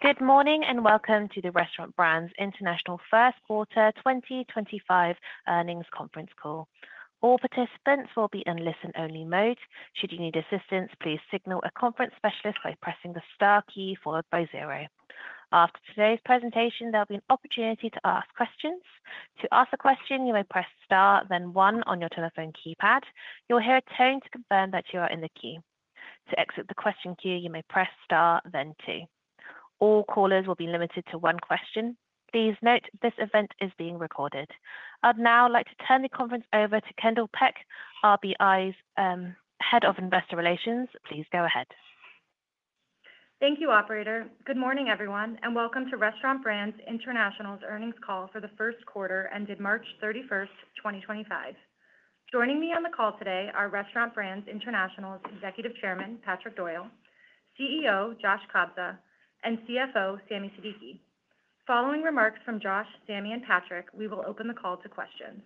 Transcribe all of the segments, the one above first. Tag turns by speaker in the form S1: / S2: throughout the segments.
S1: Good morning and welcome to the Restaurant Brands International First Quarter 2025 earnings Conference call. All participants will be in listen-only mode. Should you need assistance, please signal a conference specialist by pressing the star key followed by zero. After today's presentation, there'll be an opportunity to ask questions. To ask a question, you may press star, then one on your telephone keypad. You'll hear a tone to confirm that you are in the queue. To exit the question queue, you may press star, then two. All callers will be limited to one question. Please note this event is being recorded. I'd now like to turn the conference over to Kendall Peck, RBI's Head of Investor Relations. Please go ahead.
S2: Thank you, Operator. Good morning, everyone, and welcome to Restaurant Brands International's earnings call for the first quarter ended March 31st, 2025. Joining me on the call today are Restaurant Brands International's Executive Chairman, Patrick Doyle, CEO Josh Kobza, and CFO Sami Siddiqui. Following remarks from Josh, Sami, and Patrick, we will open the call to questions.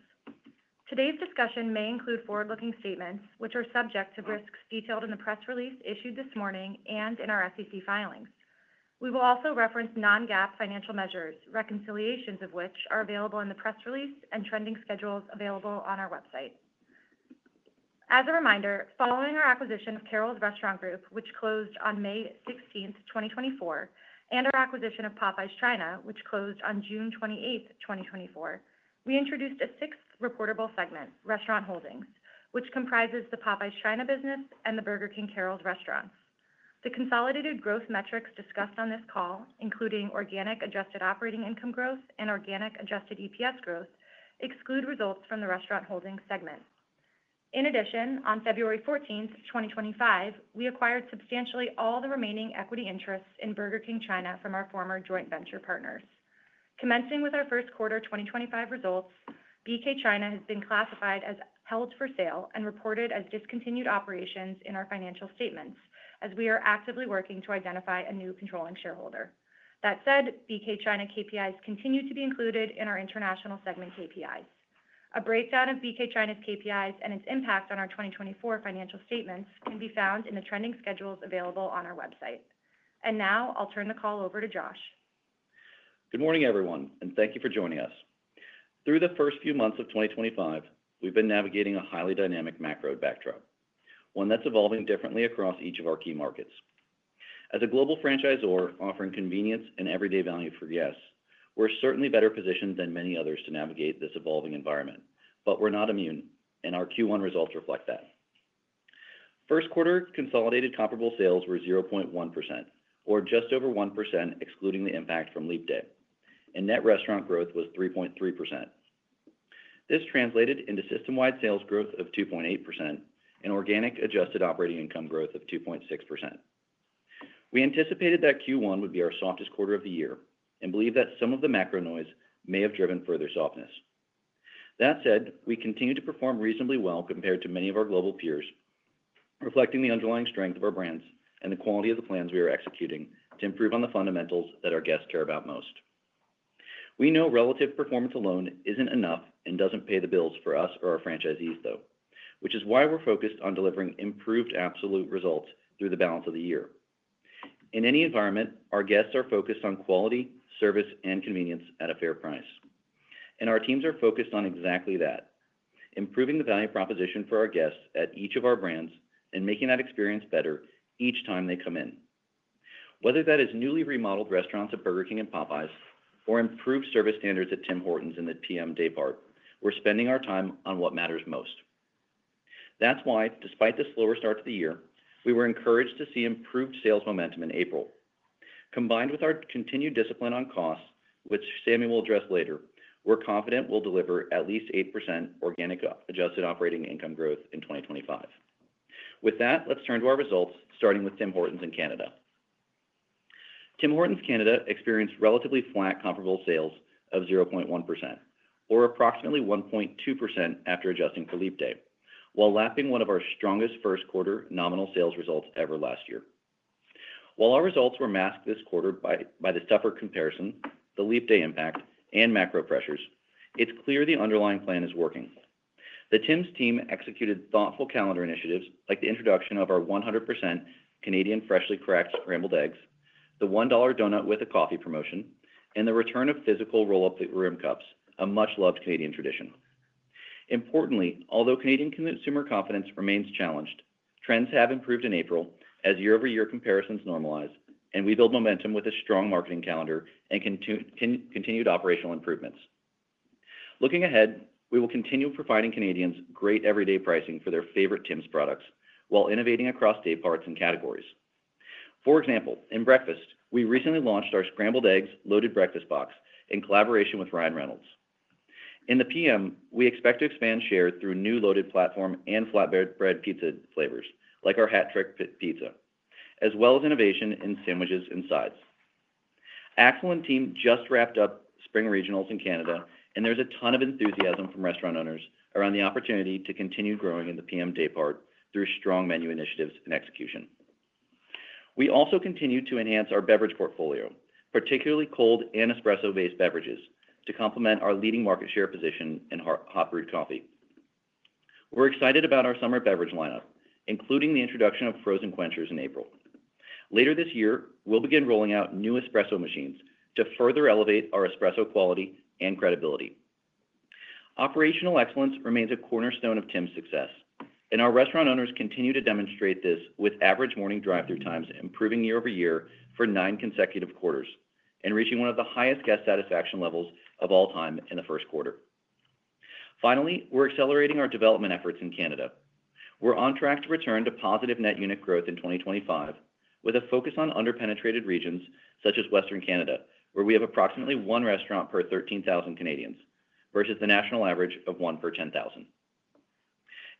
S2: Today's discussion may include forward-looking statements, which are subject to risks detailed in the press release issued this morning and in our SEC filings. We will also reference non-GAAP financial measures, reconciliations of which are available in the press release and trending schedules available on our website. As a reminder, following our acquisition of Carrols Restaurant Group, which closed on May 16th, 2024, and our acquisition of Popeyes China, which closed on June 28th, 2024, we introduced a sixth reportable segment, Restaurant Holdings, which comprises the Popeyes China business and the Burger King Carrols restaurants. The consolidated growth metrics discussed on this call, including organic adjusted operating income growth and organic adjusted EPS growth, exclude results from the Restaurant Holdings segment. In addition, on February 14th, 2025, we acquired substantially all the remaining equity interests in Burger King China from our former joint venture partners. Commencing with our first quarter 2025 results, BK China has been classified as held for sale and reported as discontinued operations in our financial statements, as we are actively working to identify a new controlling shareholder. That said, BK China KPIs continue to be included in our international segment KPIs. A breakdown of BK China's KPIs and its impact on our 2024 financial statements can be found in the trending schedules available on our website. And now I'll turn the call over to Josh.
S3: Good morning, everyone, and thank you for joining us. Through the first few months of 2025, we've been navigating a highly dynamic macro backdrop, one that's evolving differently across each of our key markets. As a global franchisor offering convenience and everyday value for guests, we're certainly better positioned than many others to navigate this evolving environment, but we're not immune, and our Q1 results reflect that. First quarter consolidated comparable sales were 0.1%, or just over 1% excluding the impact from leap day, and net restaurant growth was 3.3%. This translated into system-wide sales growth of 2.8% and organic adjusted operating income growth of 2.6%. We anticipated that Q1 would be our softest quarter of the year and believe that some of the macro noise may have driven further softness. That said, we continue to perform reasonably well compared to many of our global peers, reflecting the underlying strength of our brands and the quality of the plans we are executing to improve on the fundamentals that our guests care about most. We know relative performance alone isn't enough and doesn't pay the bills for us or our franchisees, though, which is why we're focused on delivering improved absolute results through the balance of the year. In any environment, our guests are focused on quality, service, and convenience at a fair price. And our teams are focused on exactly that: improving the value proposition for our guests at each of our brands and making that experience better each time they come in. Whether that is newly remodeled restaurants at Burger King and Popeyes or improved service standards at Tim Hortons and the PM daypart, we're spending our time on what matters most. That's why, despite the slower start to the year, we were encouraged to see improved sales momentum in April. Combined with our continued discipline on costs, which Sami will address later, we're confident we'll deliver at least 8% organic adjusted operating income growth in 2025. With that, let's turn to our results, starting with Tim Hortons in Canada. Tim Hortons Canada experienced relatively flat comparable sales of 0.1%, or approximately 1.2% after adjusting for leap day, while lapping one of our strongest first quarter nominal sales results ever last year. While our results were masked this quarter by the tougher comparison, the leap day impact, and macro pressures, it's clear the underlying plan is working. The Tims team executed thoughtful calendar initiatives like the introduction of our 100% Canadian freshly cracked scrambled eggs, the $1 donut with a coffee promotion, and the return of physical roll-up rim cups, a much-loved Canadian tradition. Importantly, although Canadian consumer confidence remains challenged, trends have improved in April as year-over-year comparisons normalize, and we build momentum with a strong marketing calendar and continued operational improvements. Looking ahead, we will continue providing Canadians great everyday pricing for their favorite Tims products while innovating across dayparts and categories. For example, in breakfast, we recently launched our Scrambled Eggs Loaded Breakfast Box in collaboration with Ryan Reynolds. In the PM, we expect to expand share through new Loaded Platform and Flatbread Pizza flavors like our Hat-Trick Pizza, as well as innovation in sandwiches and sides. Axel and team just wrapped up spring regionals in Canada, and there's a ton of enthusiasm from restaurant owners around the opportunity to continue growing in the PM daypart through strong menu initiatives and execution. We also continue to enhance our beverage portfolio, particularly cold and espresso-based beverages, to complement our leading market share position in hot brewed coffee. We're excited about our summer beverage lineup, including the introduction of Frozen Quenchers in April. Later this year, we'll begin rolling out new espresso machines to further elevate our espresso quality and credibility. Operational excellence remains a cornerstone of Tims success, and our restaurant owners continue to demonstrate this with average morning drive-through times improving year-over-year for nine consecutive quarters and reaching one of the highest guest satisfaction levels of all time in the first quarter. Finally, we're accelerating our development efforts in Canada. We're on track to return to positive net unit growth in 2025 with a focus on under-penetrated regions such as Western Canada, where we have approximately one restaurant per 13,000 Canadians versus the national average of one per 10,000.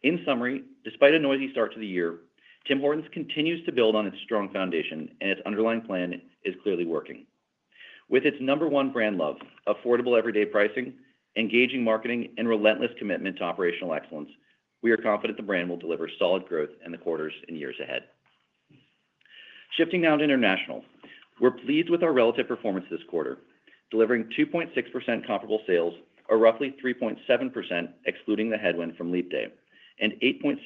S3: In summary, despite a noisy start to the year, Tim Hortons continues to build on its strong foundation, and its underlying plan is clearly working. With its number one brand love, affordable everyday pricing, engaging marketing, and relentless commitment to operational excellence, we are confident the brand will deliver solid growth in the quarters and years ahead. Shifting now to international, we're pleased with our relative performance this quarter, delivering 2.6% comparable sales, a roughly 3.7% excluding the headwind from leap day, and 8.6%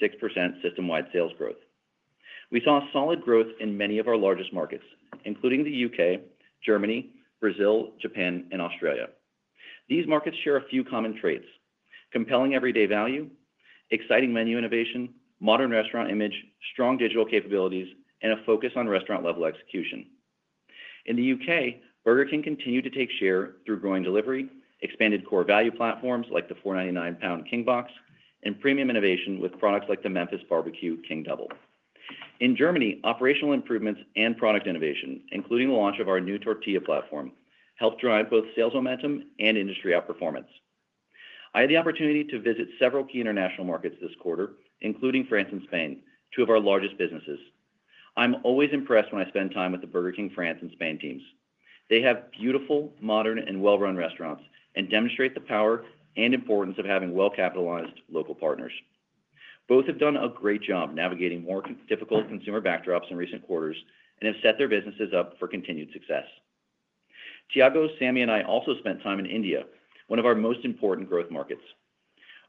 S3: system-wide sales growth. We saw solid growth in many of our largest markets, including the U.K., Germany, Brazil, Japan, and Australia. These markets share a few common traits: compelling everyday value, exciting menu innovation, modern restaurant image, strong digital capabilities, and a focus on restaurant-level execution. In the U.K., Burger King continued to take share through growing delivery, expanded core value platforms like the 4.99 pound King Box, and premium innovation with products like the Memphis BBQ King Double. In Germany, operational improvements and product innovation, including the launch of our new tortilla platform, helped drive both sales momentum and industry outperformance. I had the opportunity to visit several key international markets this quarter, including France and Spain, two of our largest businesses. I'm always impressed when I spend time with the Burger King France and Spain teams. They have beautiful, modern, and well-run restaurants and demonstrate the power and importance of having well-capitalized local partners. Both have done a great job navigating more difficult consumer backdrops in recent quarters and have set their businesses up for continued success. Thiago, Sami, and I also spent time in India, one of our most important growth markets.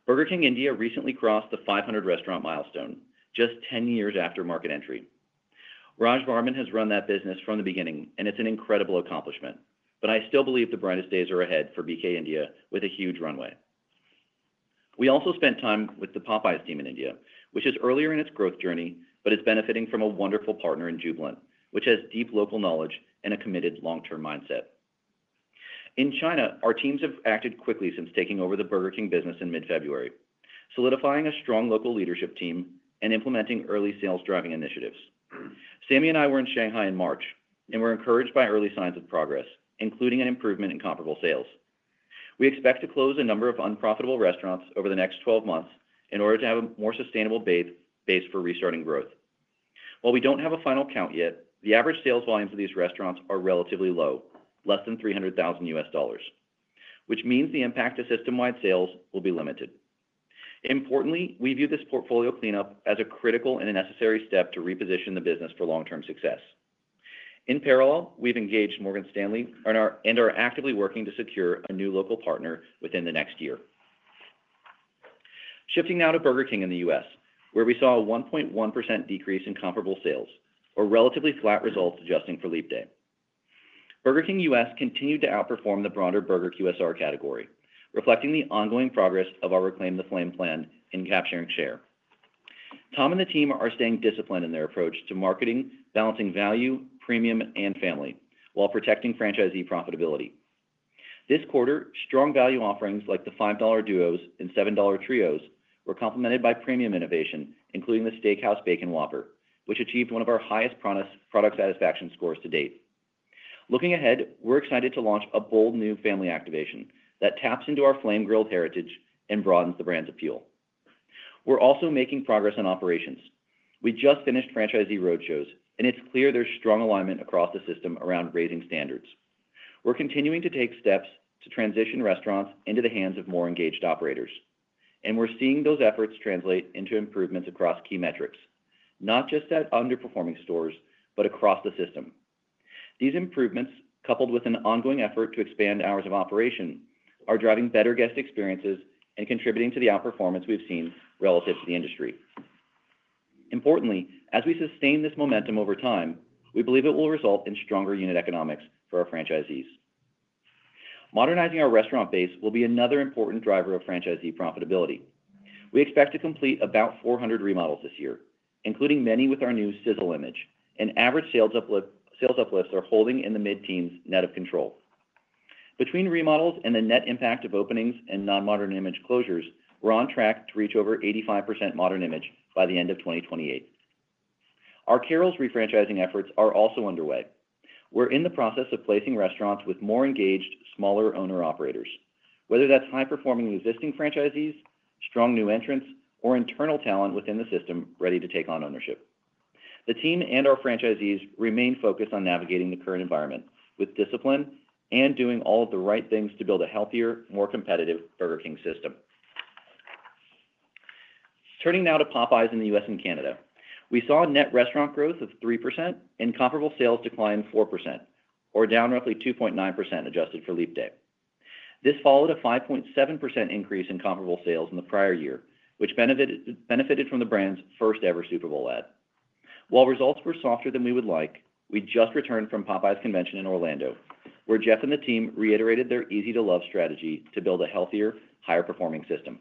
S3: Burger King India recently crossed the 500 restaurant milestone just 10 years after market entry. Raj Varman has run that business from the beginning, and it's an incredible accomplishment, but I still believe the brightest days are ahead for BK India with a huge runway. We also spent time with the Popeyes team in India, which is earlier in its growth journey but is benefiting from a wonderful partner in Jubilant, which has deep local knowledge and a committed long-term mindset. In China, our teams have acted quickly since taking over the Burger King business in mid-February, solidifying a strong local leadership team and implementing early sales driving initiatives. Sami and I were in Shanghai in March and were encouraged by early signs of progress, including an improvement in comparable sales. We expect to close a number of unprofitable restaurants over the next 12 months in order to have a more sustainable base for restarting growth. While we don't have a final count yet, the average sales volumes of these restaurants are relatively low, less than $300,000, which means the impact to system-wide sales will be limited. Importantly, we view this portfolio cleanup as a critical and a necessary step to reposition the business for long-term success. In parallel, we've engaged Morgan Stanley and are actively working to secure a new local partner within the next year. Shifting now to Burger King in the U.S., where we saw a 1.1% decrease in comparable sales, or relatively flat results adjusting for leap day. Burger King US continued to outperform the broader Burger QSR category, reflecting the ongoing progress of our Reclaim the Flame plan in capturing share. Tom and the team are staying disciplined in their approach to marketing, balancing value, premium, and family while protecting franchisee profitability. This quarter, strong value offerings like the $5 Duos and $7 Trios were complemented by premium innovation, including the Steakhouse Bacon Whopper, which achieved one of our highest product satisfaction scores to date. Looking ahead, we're excited to launch a bold new family activation that taps into our flame-grilled heritage and broadens the brand's appeal. We're also making progress on operations. We just finished franchisee road shows, and it's clear there's strong alignment across the system around raising standards. We're continuing to take steps to transition restaurants into the hands of more engaged operators, and we're seeing those efforts translate into improvements across key metrics, not just at underperforming stores, but across the system. These improvements, coupled with an ongoing effort to expand hours of operation, are driving better guest experiences and contributing to the outperformance we've seen relative to the industry. Importantly, as we sustain this momentum over time, we believe it will result in stronger unit economics for our franchisees. Modernizing our restaurant base will be another important driver of franchisee profitability. We expect to complete about 400 remodels this year, including many with our new Sizzle image, and average sales uplifts are holding in the mid-teens net of control. Between remodels and the net impact of openings and non-modern image closures, we're on track to reach over 85% modern image by the end of 2028. Our Carrols refranchising efforts are also underway. We're in the process of placing restaurants with more engaged, smaller owner-operators, whether that's high-performing existing franchisees, strong new entrants, or internal talent within the system ready to take on ownership. The team and our franchisees remain focused on navigating the current environment with discipline and doing all of the right things to build a healthier, more competitive Burger King system. Turning now to Popeyes in the U.S. and Canada, we saw net restaurant growth of 3% and comparable sales decline 4%, or down roughly 2.9% adjusted for Leap Day. This followed a 5.7% increase in comparable sales in the prior year, which benefited from the brand's first-ever Super Bowl ad. While results were softer than we would like, we just returned from Popeyes Convention in Orlando, where Jeff and the team reiterated their Easy-to-Love strategy to build a healthier, higher-performing system.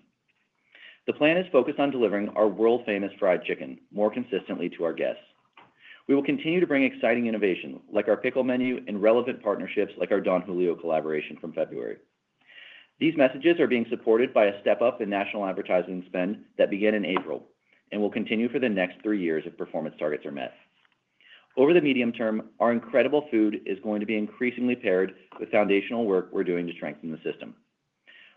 S3: The plan is focused on delivering our world-famous fried chicken more consistently to our guests. We will continue to bring exciting innovations like our pickle menu and relevant partnerships like our Don Julio collaboration from February. These messages are being supported by a step-up in national advertising spend that began in April and will continue for the next three years if performance targets are met. Over the medium term, our incredible food is going to be increasingly paired with foundational work we're doing to strengthen the system.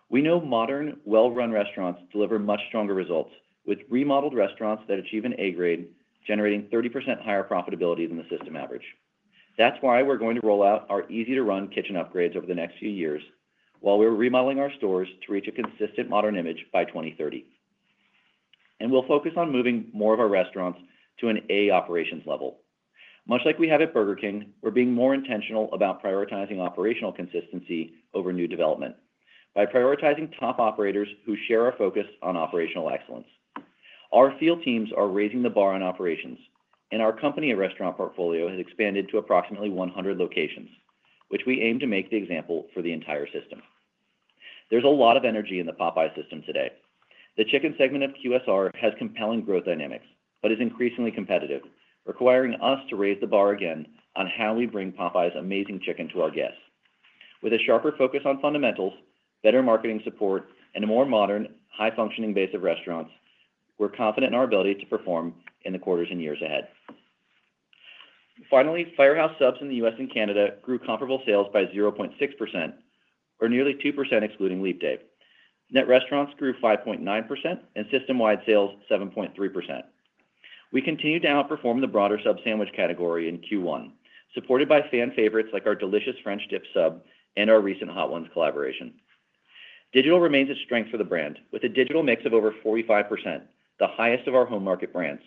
S3: We know modern, well-run restaurants deliver much stronger results with remodeled restaurants that achieve an A grade, generating 30% higher profitability than the system average. That's why we're going to roll out our Easy to Run kitchen upgrades over the next few years while we're remodeling our stores to reach a consistent modern image by 2030. We'll focus on moving more of our restaurants to an A operations level. Much like we have at Burger King, we're being more intentional about prioritizing operational consistency over new development by prioritizing top operators who share our focus on operational excellence. Our field teams are raising the bar on operations, and our company-owned restaurant portfolio has expanded to approximately 100 locations, which we aim to make the example for the entire system. There's a lot of energy in the Popeyes system today. The chicken segment of QSR has compelling growth dynamics but is increasingly competitive, requiring us to raise the bar again on how we bring Popeyes' amazing chicken to our guests. With a sharper focus on fundamentals, better marketing support, and a more modern, high-functioning base of restaurants, we're confident in our ability to perform in the quarters and years ahead. Finally, Firehouse Subs in the U.S. and Canada grew comparable sales by 0.6%, or nearly 2% excluding Leap Day. Net restaurants grew 5.9% and system-wide sales 7.3%. We continue to outperform the broader sub sandwich category in Q1, supported by fan favorites like our delicious French Dip Sub and our recent Hot Ones collaboration. Digital remains a strength for the brand, with a digital mix of over 45%, the highest of our home market brands,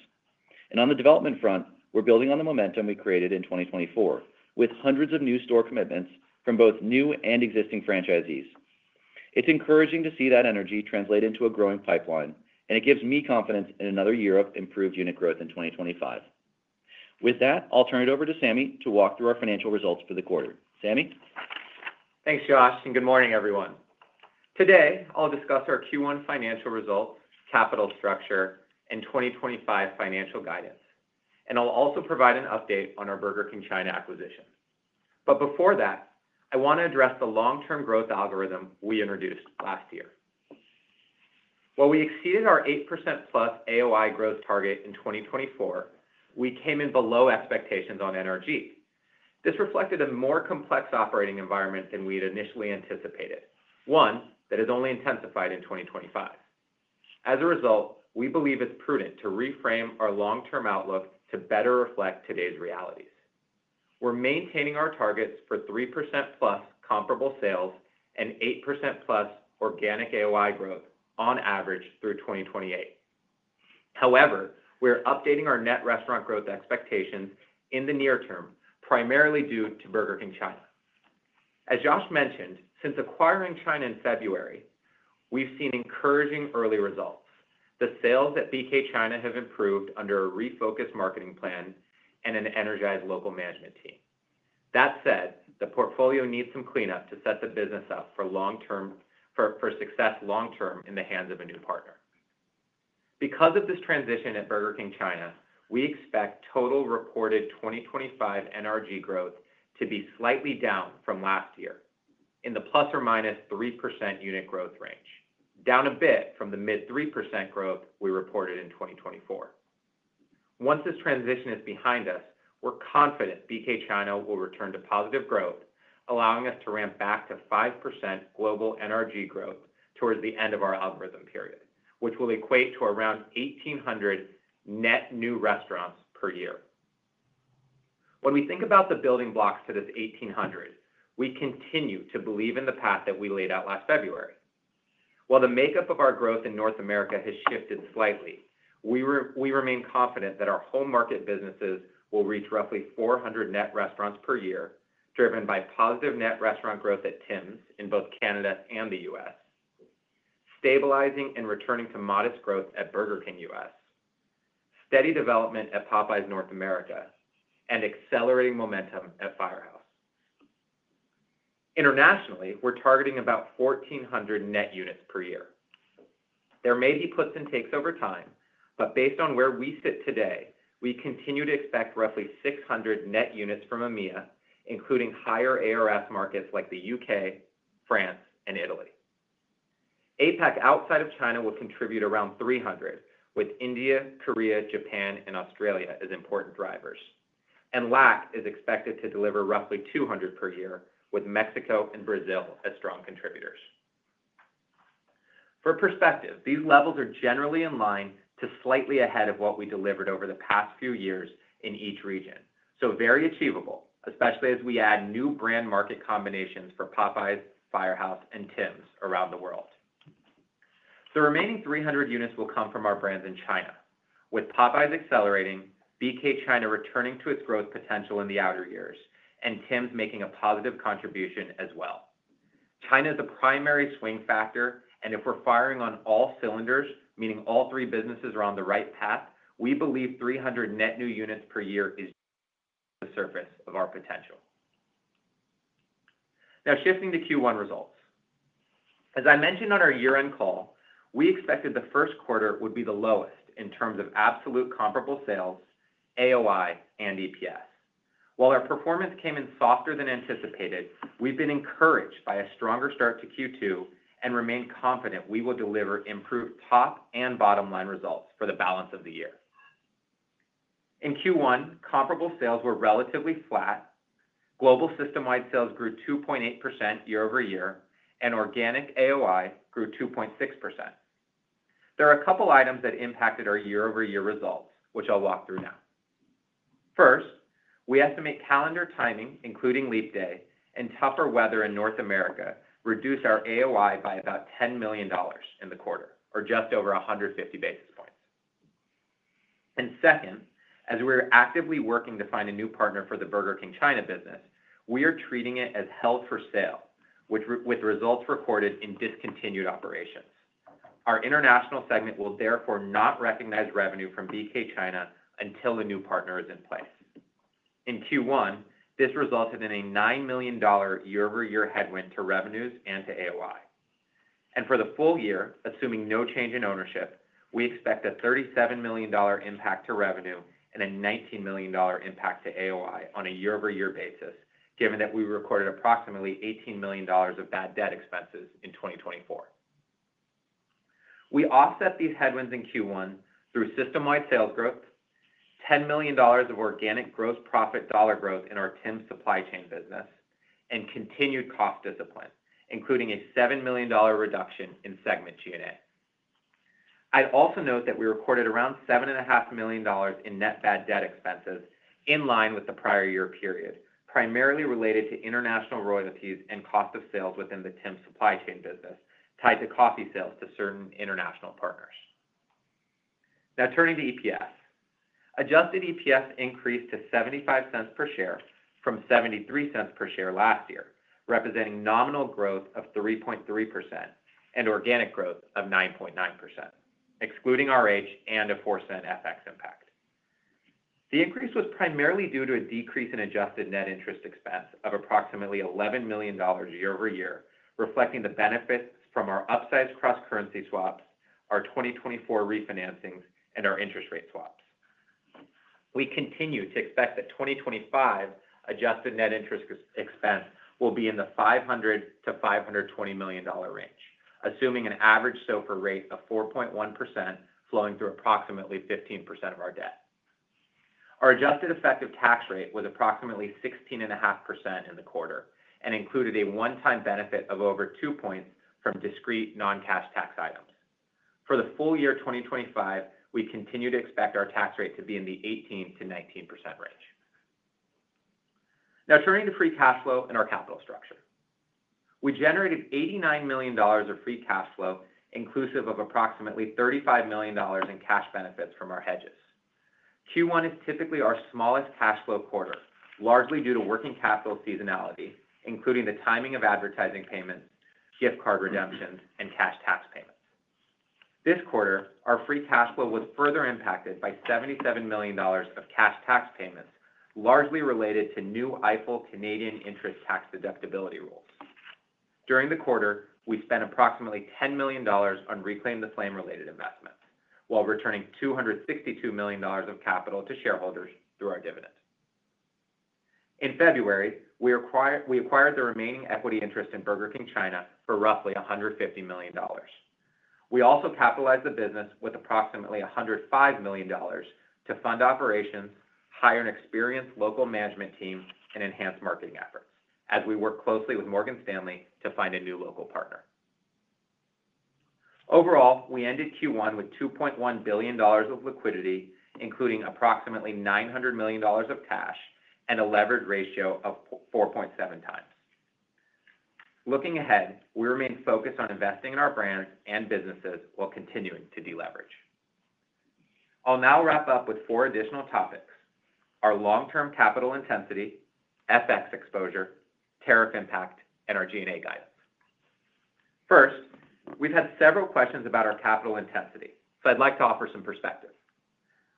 S3: and on the development front, we're building on the momentum we created in 2024 with hundreds of new store commitments from both new and existing franchisees. It's encouraging to see that energy translate into a growing pipeline, and it gives me confidence in another year of improved unit growth in 2025. With that, I'll turn it over to Sami to walk through our financial results for the quarter. Sami?
S4: Thanks, Josh, and good morning, everyone. Today, I'll discuss our Q1 financial results, capital structure, and 2025 financial guidance, and I'll also provide an update on our Burger King China acquisition, but before that, I want to address the long-term growth algorithm we introduced last year. While we exceeded our 8%+ AOI growth target in 2024, we came in below expectations on NRG. This reflected a more complex operating environment than we had initially anticipated, one that has only intensified in 2025. As a result, we believe it's prudent to reframe our long-term outlook to better reflect today's realities. We're maintaining our targets for 3%+ comparable sales and 8%+ organic AOI growth on average through 2028. However, we're updating our net restaurant growth expectations in the near term, primarily due to Burger King China. As Josh mentioned, since acquiring China in February, we've seen encouraging early results. The sales at BK China have improved under a refocused marketing plan and an energized local management team. That said, the portfolio needs some cleanup to set the business up for success long-term in the hands of a new partner. Because of this transition at Burger King China, we expect total reported 2025 NRG growth to be slightly down from last year in the ±3% unit growth range, down a bit from the mid-3% growth we reported in 2024. Once this transition is behind us, we're confident BK China will return to positive growth, allowing us to ramp back to 5% global NRG growth towards the end of our algorithm period, which will equate to around 1,800 net new restaurants per year. When we think about the building blocks to this 1,800, we continue to believe in the path that we laid out last February. While the makeup of our growth in North America has shifted slightly, we remain confident that our home market businesses will reach roughly 400 net restaurants per year, driven by positive net restaurant growth at Tims in both Canada and the U.S., stabilizing and returning to modest growth at Burger King U.S., steady development at Popeyes North America, and accelerating momentum at Firehouse. Internationally, we're targeting about 1,400 net units per year. There may be puts and takes over time, but based on where we sit today, we continue to expect roughly 600 net units from EMEA, including higher ARS markets like the U.K., France, and Italy. APAC outside of China will contribute around 300, with India, Korea, Japan, and Australia as important drivers, and LAC is expected to deliver roughly 200 per year, with Mexico and Brazil as strong contributors. For perspective, these levels are generally in line to slightly ahead of what we delivered over the past few years in each region, so very achievable, especially as we add new brand market combinations for Popeyes, Firehouse, and Tims around the world. The remaining 300 units will come from our brands in China, with Popeyes accelerating, BK China returning to its growth potential in the outer years, and Tims making a positive contribution as well. China is the primary swing factor, and if we're firing on all cylinders, meaning all three businesses are on the right path, we believe 300 net new units per year is the surface of our potential. Now, shifting to Q1 results. As I mentioned on our year-end call, we expected the first quarter would be the lowest in terms of absolute comparable sales, AOI, and EPS. While our performance came in softer than anticipated, we've been encouraged by a stronger start to Q2 and remain confident we will deliver improved top and bottom line results for the balance of the year. In Q1, comparable sales were relatively flat. Global system-wide sales grew 2.8% year-over-year, and organic AOI grew 2.6%. There are a couple of items that impacted our year-over-year results, which I'll walk through now. First, we estimate calendar timing, including Leap Day, and tougher weather in North America reduced our AOI by about $10 million in the quarter, or just over 150 basis points, and second, as we're actively working to find a new partner for the Burger King China business, we are treating it as held for sale, with results recorded in discontinued operations. Our international segment will therefore not recognize revenue from BK China until a new partner is in place. In Q1, this resulted in a $9 million year-over-year headwind to revenues and to AOI, and for the full year, assuming no change in ownership, we expect a $37 million impact to revenue and a $19 million impact to AOI on a year-over-year basis, given that we recorded approximately $18 million of bad debt expenses in 2024. We offset these headwinds in Q1 through system-wide sales growth, $10 million of organic gross profit dollar growth in our Tims supply chain business, and continued cost discipline, including a $7 million reduction in segment G&A. I'd also note that we recorded around $7.5 million in net bad debt expenses in line with the prior year period, primarily related to international royalties and cost of sales within the Tims supply chain business tied to coffee sales to certain international partners. Now, turning to EPS. Adjusted EPS increased to $0.75 per share from $0.73 per share last year, representing nominal growth of 3.3% and organic growth of 9.9%, excluding RH and a $0.04 FX impact. The increase was primarily due to a decrease in adjusted net interest expense of approximately $11 million year-over-year, reflecting the benefits from our upsized cross-currency swaps, our 2024 refinancings, and our interest rate swaps. We continue to expect that 2025 adjusted net interest expense will be in the $500 million-$520 million range, assuming an average SOFR rate of 4.1% flowing through approximately 15% of our debt. Our adjusted effective tax rate was approximately 16.5% in the quarter and included a one-time benefit of over 2 points from discrete non-cash tax items. For the full year 2025, we continue to expect our tax rate to be in the 18%-19% range. Now, turning to free cash flow and our capital structure. We generated $89 million of free cash flow, inclusive of approximately $35 million in cash benefits from our hedges. Q1 is typically our smallest cash flow quarter, largely due to working capital seasonality, including the timing of advertising payments, gift card redemptions, and cash tax payments. This quarter, our free cash flow was further impacted by $77 million of cash tax payments, largely related to new EIFEL Canadian interest tax deductibility rules. During the quarter, we spent approximately $10 million on Reclaim the Flame-related investments, while returning $262 million of capital to shareholders through our dividend. In February, we acquired the remaining equity interest in Burger King China for roughly $150 million. We also capitalized the business with approximately $105 million to fund operations, hire an experienced local management team, and enhance marketing efforts, as we work closely with Morgan Stanley to find a new local partner. Overall, we ended Q1 with $2.1 billion of liquidity, including approximately $900 million of cash and a levered ratio of 4.7 times. Looking ahead, we remain focused on investing in our brand and businesses while continuing to deleverage. I'll now wrap up with four additional topics: our long-term capital intensity, FX exposure, tariff impact, and our G&A guidance. First, we've had several questions about our capital intensity, so I'd like to offer some perspective.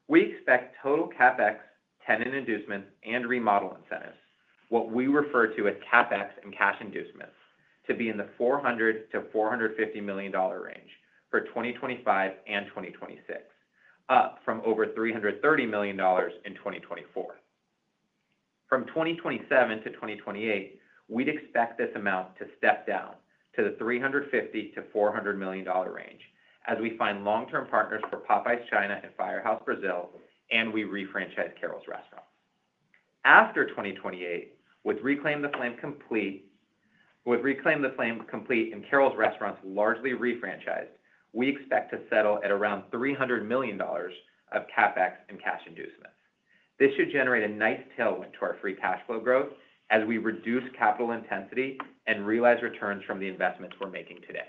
S4: We expect total CapEx, tenant inducements, and remodel incentives, what we refer to as CapEx and cash inducements, to be in the $400 million-$450 million range for 2025 and 2026, up from over $330 million in 2024. From 2027 to 2028, we'd expect this amount to step down to the $350 million-$400 million range, as we find long-term partners for Popeyes China and Firehouse Brazil, and we refranchise Carrols Restaurant Group. After 2028, with Reclaim the Flame complete and Carrols Restaurant Group largely refranchised, we expect to settle at around $300 million of CapEx and cash inducements. This should generate a nice tailwind to our free cash flow growth, as we reduce capital intensity and realize returns from the investments we're making today.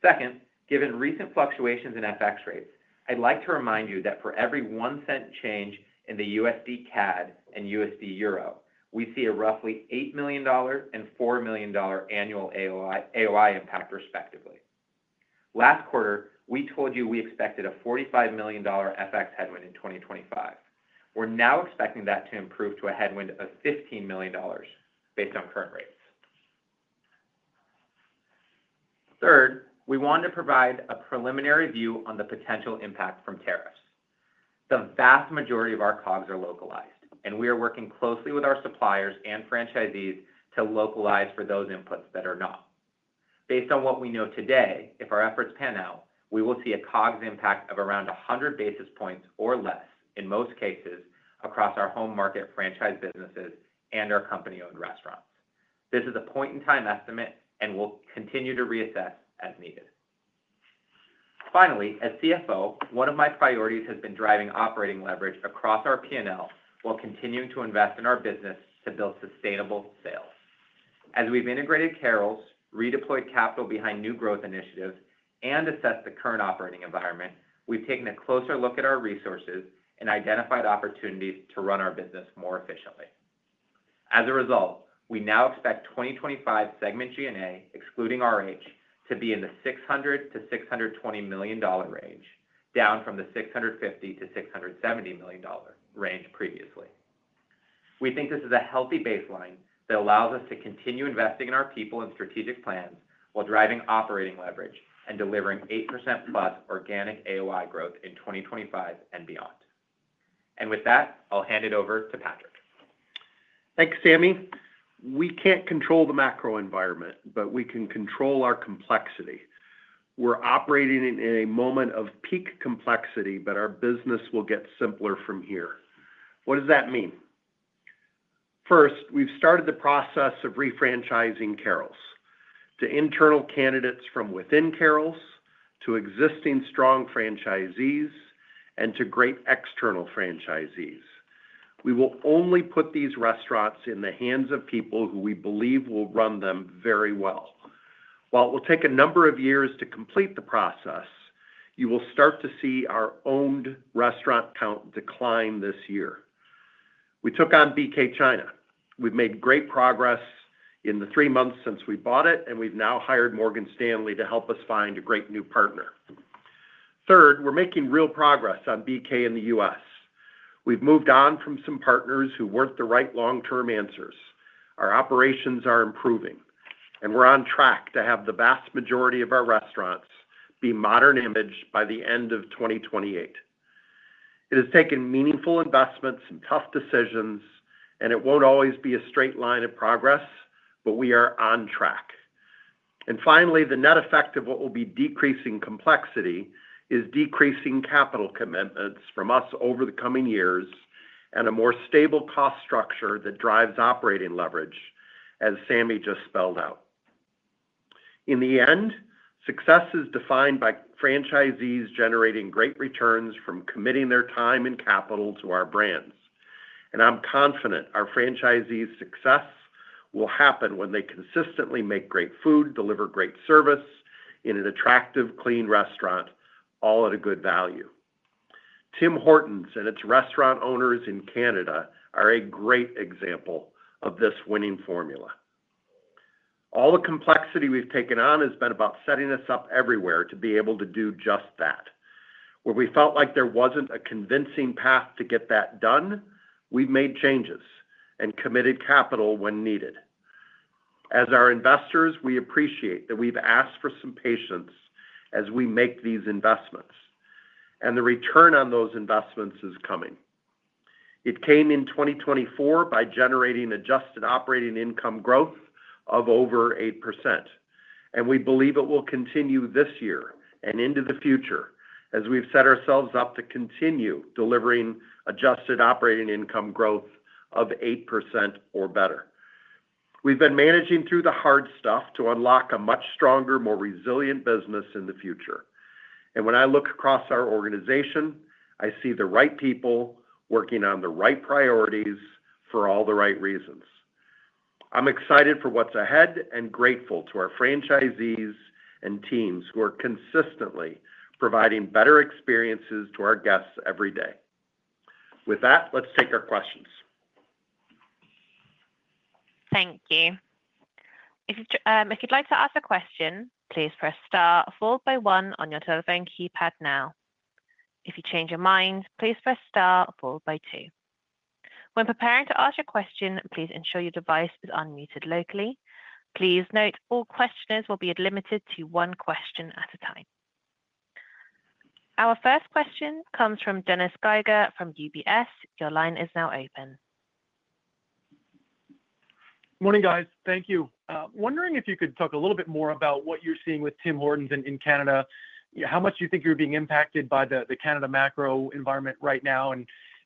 S4: Second, given recent fluctuations in FX rates, I'd like to remind you that for every $0.01 change in the USD CAD and USD EUR, we see a roughly $8 million and $4 million annual AOI impact, respectively. Last quarter, we told you we expected a $45 million FX headwind in 2025. We're now expecting that to improve to a headwind of $15 million based on current rates. Third, we wanted to provide a preliminary view on the potential impact from tariffs. The vast majority of our COGS are localized, and we are working closely with our suppliers and franchisees to localize for those inputs that are not. Based on what we know today, if our efforts pan out, we will see a COGS impact of around 100 basis points or less in most cases across our home market franchise businesses and our company-owned restaurants. This is a point-in-time estimate and will continue to reassess as needed. Finally, as CFO, one of my priorities has been driving operating leverage across our P&L while continuing to invest in our business to build sustainable sales. As we've integrated Carrols, redeployed capital behind new growth initiatives, and assessed the current operating environment, we've taken a closer look at our resources and identified opportunities to run our business more efficiently. As a result, we now expect 2025 segment G&A, excluding RH, to be in the $600 million-$620 million range, down from the $650 million-$670 million range previously. We think this is a healthy baseline that allows us to continue investing in our people and strategic plans while driving operating leverage and delivering 8%+ organic AOI growth in 2025 and beyond. And with that, I'll hand it over to Patrick.
S5: Thanks, Sami. We can't control the macro environment, but we can control our complexity. We're operating in a moment of peak complexity, but our business will get simpler from here. What does that mean? First, we've started the process of refranchising Carrols to internal candidates from within Carrols, to existing strong franchisees, and to great external franchisees. We will only put these restaurants in the hands of people who we believe will run them very well. While it will take a number of years to complete the process, you will start to see our owned restaurant count decline this year. We took on BK China. We've made great progress in the three months since we bought it, and we've now hired Morgan Stanley to help us find a great new partner. Third, we're making real progress on BK in the U.S. We've moved on from some partners who weren't the right long-term answers. Our operations are improving, and we're on track to have the vast majority of our restaurants be modern image by the end of 2028. It has taken meaningful investments and tough decisions, and it won't always be a straight line of progress, but we are on track. And finally, the net effect of what will be decreasing complexity is decreasing capital commitments from us over the coming years and a more stable cost structure that drives operating leverage, as Sami just spelled out. In the end, success is defined by franchisees generating great returns from committing their time and capital to our brands. And I'm confident our franchisees' success will happen when they consistently make great food, deliver great service in an attractive, clean restaurant, all at a good value. Tim Hortons and its restaurant owners in Canada are a great example of this winning formula. All the complexity we've taken on has been about setting us up everywhere to be able to do just that. Where we felt like there wasn't a convincing path to get that done, we've made changes and committed capital when needed. As our investors, we appreciate that we've asked for some patience as we make these investments, and the return on those investments is coming. It came in 2024 by generating adjusted operating income growth of over 8%, and we believe it will continue this year and into the future as we've set ourselves up to continue delivering adjusted operating income growth of 8% or better. We've been managing through the hard stuff to unlock a much stronger, more resilient business in the future. And when I look across our organization, I see the right people working on the right priorities for all the right reasons. I'm excited for what's ahead and grateful to our franchisees and teams who are consistently providing better experiences to our guests every day. With that, let's take our questions.
S1: Thank you. If you'd like to ask a question, please press star followed by one on your telephone keypad now. If you change your mind, please press star followed by two. When preparing to ask your question, please ensure your device is unmuted locally. Please note all questioners will be limited to one question at a time. Our first question comes from Dennis Geiger from UBS. Your line is now open.
S6: Morning, guys. Thank you. Wondering if you could talk a little bit more about what you're seeing with Tim Hortons in Canada, how much you think you're being impacted by the Canadian macro environment right now,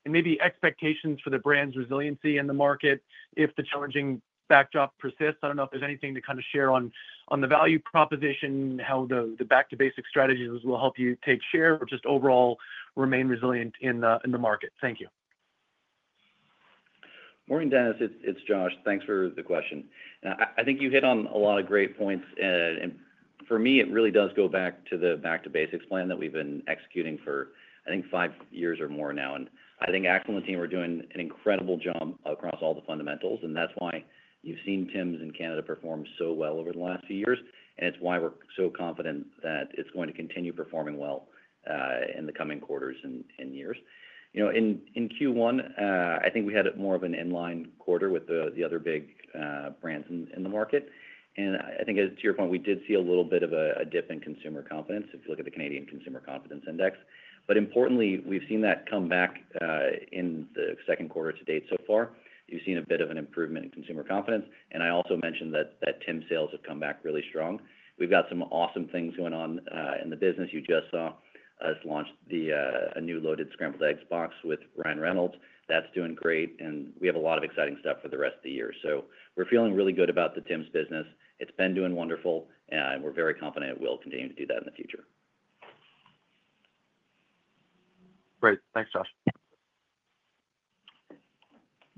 S6: and maybe expectations for the brand's resiliency in the market if the challenging backdrop persists. I don't know if there's anything to kind of share on the value proposition, how the back-to-basic strategies will help you take share, or just overall remain resilient in the market. Thank you.
S3: Morning, Dennis. It's Josh. Thanks for the question. I think you hit on a lot of great points. For me, it really does go back to the back-to-basics plan that we've been executing for, I think, five years or more now, and I think Axel and the team are doing an incredible job across all the fundamentals, and that's why you've seen Tims in Canada perform so well over the last few years, and it's why we're so confident that it's going to continue performing well in the coming quarters and years. In Q1, I think we had more of an inline quarter with the other big brands in the market. I think, to your point, we did see a little bit of a dip in consumer confidence if you look at the Canadian Consumer Confidence Index. Importantly, we've seen that come back in the second quarter to date so far. You've seen a bit of an improvement in consumer confidence. I also mentioned that Tims sales have come back really strong. We've got some awesome things going on in the business. You just saw us launch a new Loaded Scrambled Eggs Box with Ryan Reynolds. That's doing great, and we have a lot of exciting stuff for the rest of the year. We're feeling really good about the Tims business. It's been doing wonderful, and we're very confident it will continue to do that in the future.
S6: Great. Thanks, Josh.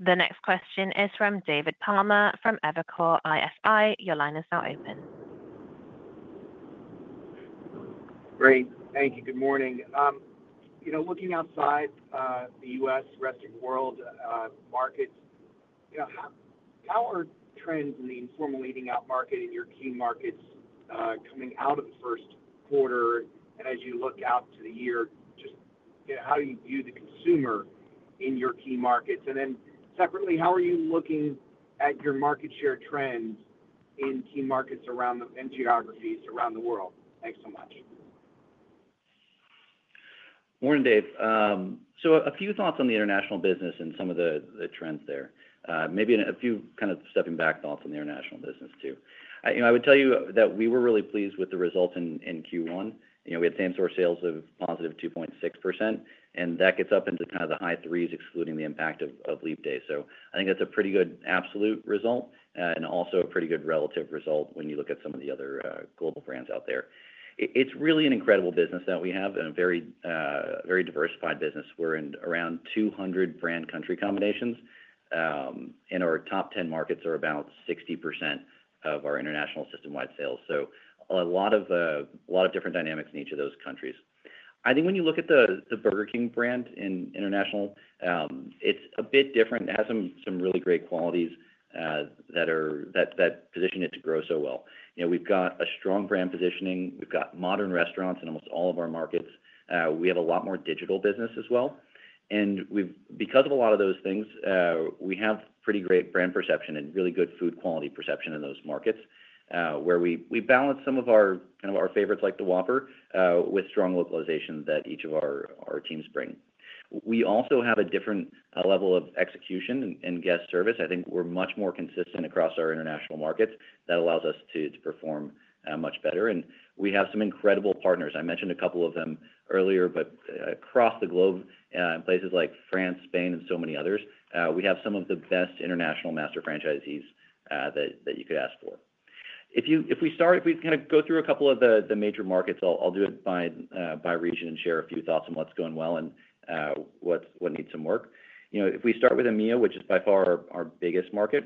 S1: The next question is from David Palmer from Evercore ISI. Your line is now open. Great.
S7: Thank you. Good morning. Looking outside the U.S., rest of the world markets, how are trends in the informal eating out market in your key markets coming out of the first quarter? And as you look out to the year, just how do you view the consumer in your key markets? And then separately, how are you looking at your market share trends in key markets and geographies around the world? Thanks so much.
S3: Morning, Dave. So a few thoughts on the international business and some of the trends there. Maybe a few kind of stepping back thoughts on the international business too. I would tell you that we were really pleased with the result in Q1. We had same-store sales of positive 2.6%, and that gets up into kind of the high threes, excluding the impact of Leap Day. So I think that's a pretty good absolute result and also a pretty good relative result when you look at some of the other global brands out there. It's really an incredible business that we have and a very diversified business. We're in around 200 brand country combinations, and our top 10 markets are about 60% of our international system-wide sales. So a lot of different dynamics in each of those countries. I think when you look at the Burger King brand in international, it's a bit different. It has some really great qualities that position it to grow so well. We've got a strong brand positioning. We've got modern restaurants in almost all of our markets. We have a lot more digital business as well. And because of a lot of those things, we have pretty great brand perception and really good food quality perception in those markets where we balance some of our favorites like the Whopper with strong localization that each of our teams bring. We also have a different level of execution and guest service. I think we're much more consistent across our international markets. That allows us to perform much better. And we have some incredible partners. I mentioned a couple of them earlier, but across the globe, in places like France, Spain, and so many others, we have some of the best international master franchisees that you could ask for. If we kind of go through a couple of the major markets, I'll do it by region and share a few thoughts on what's going well and what needs some work. If we start with EMEA, which is by far our biggest market,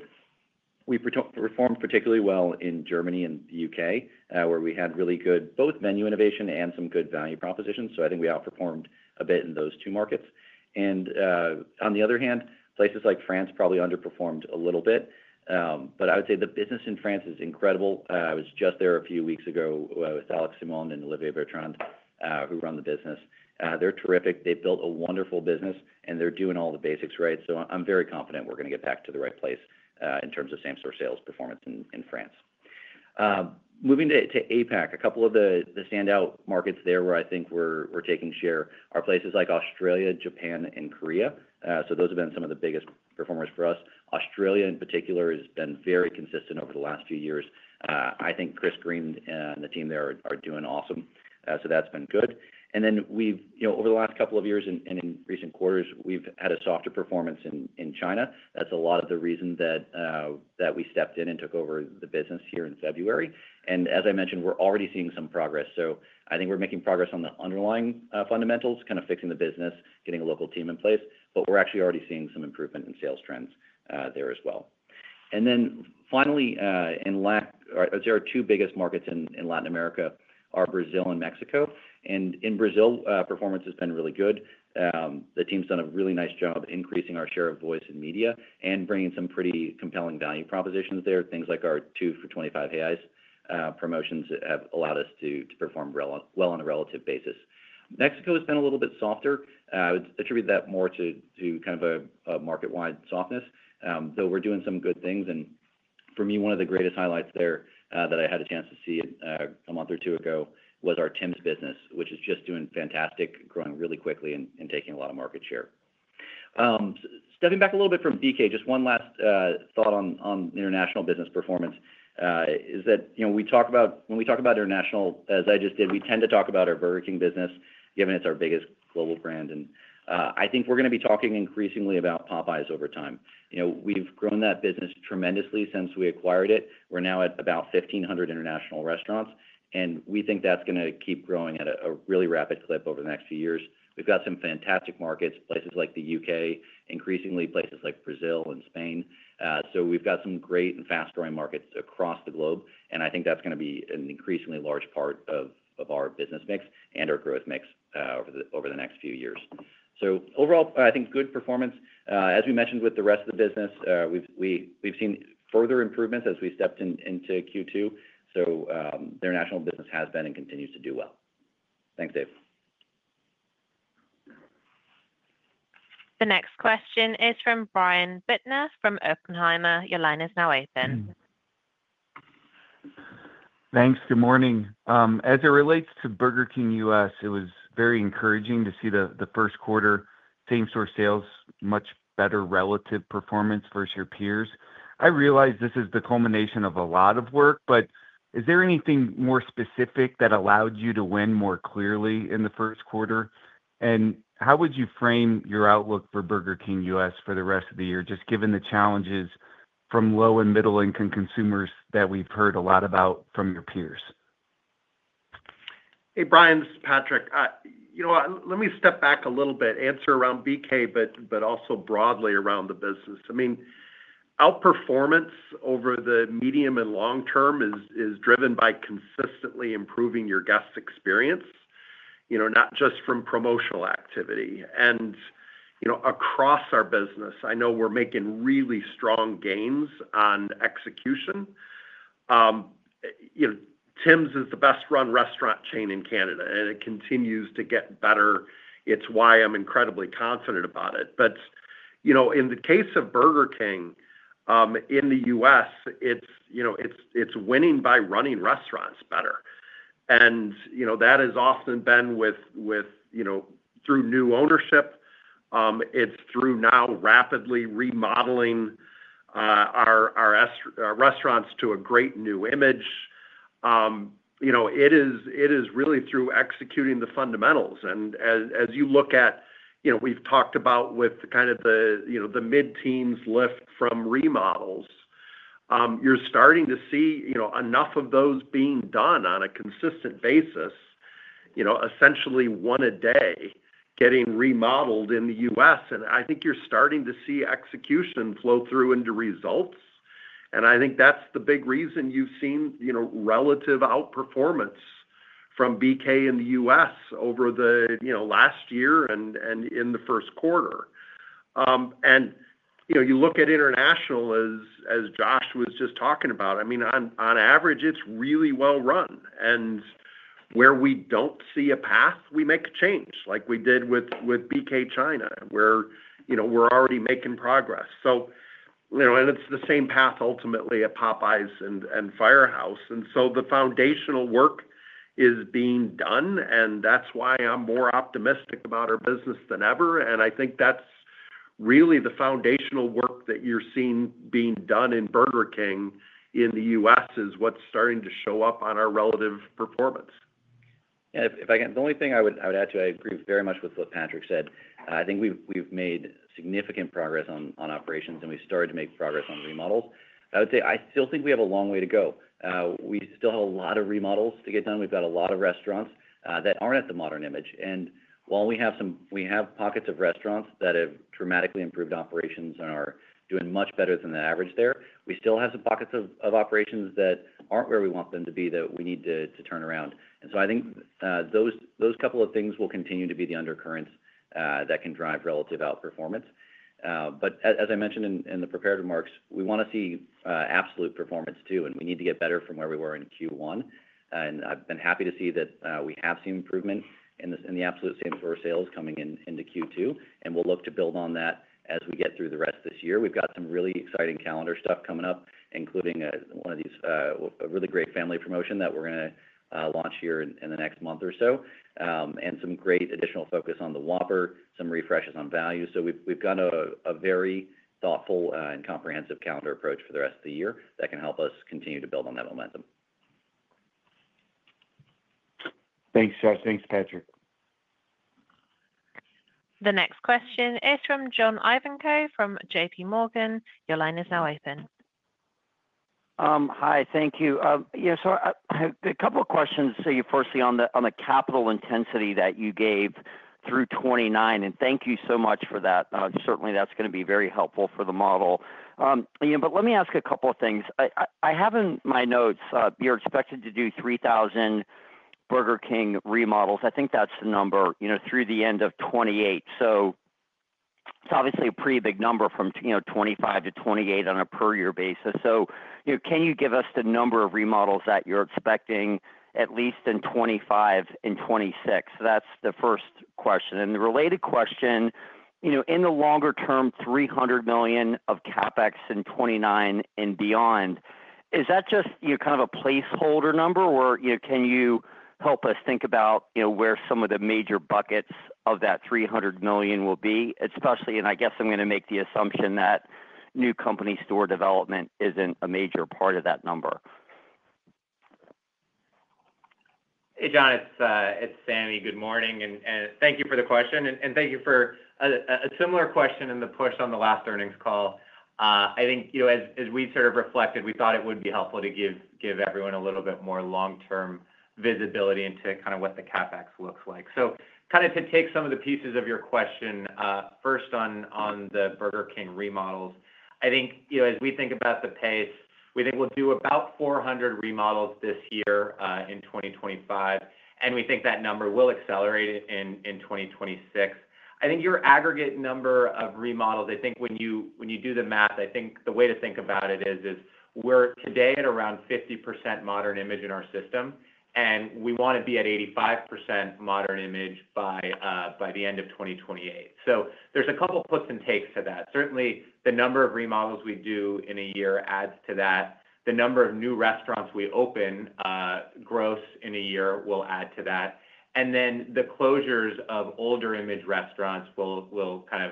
S3: we performed particularly well in Germany and the U.K., where we had really good both menu innovation and some good value proposition. So I think we outperformed a bit in those two markets. And on the other hand, places like France probably underperformed a little bit. But I would say the business in France is incredible. I was just there a few weeks ago with Alex Simon and Olivier Bertrand, who run the business. They're terrific. They've built a wonderful business, and they're doing all the basics right. So I'm very confident we're going to get back to the right place in terms of same-store sales performance in France. Moving to APAC, a couple of the standout markets there where I think we're taking share are places like Australia, Japan, and Korea. So those have been some of the biggest performers for us. Australia, in particular, has been very consistent over the last few years. I think Chris Green and the team there are doing awesome. So that's been good. And then over the last couple of years and in recent quarters, we've had a softer performance in China. That's a lot of the reason that we stepped in and took over the business here in February. And as I mentioned, we're already seeing some progress. So I think we're making progress on the underlying fundamentals, kind of fixing the business, getting a local team in place, but we're actually already seeing some improvement in sales trends there as well. And then finally, there are two biggest markets in Latin America: Brazil and Mexico. And in Brazil, performance has been really good. The team's done a really nice job increasing our share of voice and media and bringing some pretty compelling value propositions there. Things like our 2 for 25 AIS promotions have allowed us to perform well on a relative basis. Mexico has been a little bit softer. I would attribute that more to kind of a market-wide softness, though we're doing some good things, and for me, one of the greatest highlights there that I had a chance to see a month or two ago was our Tims business, which is just doing fantastic, growing really quickly, and taking a lot of market share. Stepping back a little bit from BK, just one last thought on international business performance is that when we talk about international, as I just did, we tend to talk about our Burger King business, given it's our biggest global brand. And I think we're going to be talking increasingly about Popeyes over time. We've grown that business tremendously since we acquired it. We're now at about 1,500 international restaurants, and we think that's going to keep growing at a really rapid clip over the next few years. We've got some fantastic markets, places like the U.K., increasingly places like Brazil and Spain. So we've got some great and fast-growing markets across the globe, and I think that's going to be an increasingly large part of our business mix and our growth mix over the next few years. So overall, I think good performance. As we mentioned with the rest of the business, we've seen further improvements as we stepped into Q2. So their national business has been and continues to do well. Thanks, Dave.
S1: The next question is from Brian Bittner from Oppenheimer. Your line is now open.
S8: Thanks. Good morning. As it relates to Burger King US, it was very encouraging to see the first quarter same-store sales, much better relative performance versus your peers. I realize this is the culmination of a lot of work, but is there anything more specific that allowed you to win more clearly in the first quarter? And how would you frame your outlook for Burger King US for the rest of the year, just given the challenges from low and middle-income consumers that we've heard a lot about from your peers?
S5: Hey, Brian. It's Patrick. Let me step back a little bit, answer around BK, but also broadly around the business. I mean, outperformance over the medium and long term is driven by consistently improving your guest experience, not just from promotional activity. And across our business, I know we're making really strong gains on execution. Tims is the best-run restaurant chain in Canada, and it continues to get better. It's why I'm incredibly confident about it. But in the case of Burger King in the U.S., it's winning by running restaurants better. And that has often been through new ownership. It's through now rapidly remodeling our restaurants to a great new image. It is really through executing the fundamentals. And as you look at, we've talked about with kind of the mid-teens lift from remodels, you're starting to see enough of those being done on a consistent basis, essentially one a day, getting remodeled in the U.S. And I think you're starting to see execution flow through into results. And I think that's the big reason you've seen relative outperformance from BK in the U.S. over the last year and in the first quarter. And you look at international, as Josh was just talking about. I mean, on average, it's really well-run. And where we don't see a path, we make a change, like we did with BK China, where we're already making progress. And it's the same path ultimately at Popeyes and Firehouse. And so the foundational work is being done, and that's why I'm more optimistic about our business than ever. And I think that's really the foundational work that you're seeing being done in Burger King in the U.S. is what's starting to show up on our relative performance.
S3: If I can, the only thing I would add to. I agree very much with what Patrick said. I think we've made significant progress on operations, and we've started to make progress on remodels. I would say I still think we have a long way to go. We still have a lot of remodels to get done. We've got a lot of restaurants that aren't at the modern image, and while we have pockets of restaurants that have dramatically improved operations and are doing much better than the average there, we still have some pockets of operations that aren't where we want them to be that we need to turn around, and so I think those couple of things will continue to be the undercurrents that can drive relative outperformance, but as I mentioned in the prepared remarks, we want to see absolute performance too, and we need to get better from where we were in Q1, and I've been happy to see that we have seen improvement in the absolute same-store sales coming into Q2, and we'll look to build on that as we get through the rest of this year. We've got some really exciting calendar stuff coming up, including one of these really great family promotions that we're going to launch here in the next month or so, and some great additional focus on the Whopper, some refreshes on value. So we've got a very thoughtful and comprehensive calendar approach for the rest of the year that can help us continue to build on that momentum.
S8: Thanks, Josh. Thanks, Patrick.
S1: The next question is from John Ivanko from J.P. Morgan. Your line is now open.
S9: Hi. Thank you. So a couple of questions. So you're firstly on the capital intensity that you gave through 2029, and thank you so much for that. Certainly, that's going to be very helpful for the model. But let me ask a couple of things. I have in my notes you're expected to do 3,000 Burger King remodels. I think that's the number through the end of 2028. So it's obviously a pretty big number from 2025 to 2028 on a per-year basis. So can you give us the number of remodels that you're expecting at least in 2025 and 2026? That's the first question. And the related question, in the longer term, $300 million of CapEx in 2029 and beyond, is that just kind of a placeholder number, or can you help us think about where some of the major buckets of that $300 million will be? And I guess I'm going to make the assumption that new company store development isn't a major part of that number.
S4: Hey, John. It's Sami. Good morning. And thank you for the question. And thank you for a similar question in the push on the last earnings call. I think as we sort of reflected, we thought it would be helpful to give everyone a little bit more long-term visibility into kind of what the CapEx looks like. So kind of to take some of the pieces of your question, first on the Burger King remodels, I think as we think about the pace, we think we'll do about 400 remodels this year in 2025, and we think that number will accelerate in 2026. I think your aggregate number of remodels, I think when you do the math, I think the way to think about it is we're today at around 50% modern image in our system, and we want to be at 85% modern image by the end of 2028. So there's a couple of puts and takes to that. Certainly, the number of remodels we do in a year adds to that. The number of new restaurants we open gross in a year will add to that. And then the closures of older image restaurants will kind of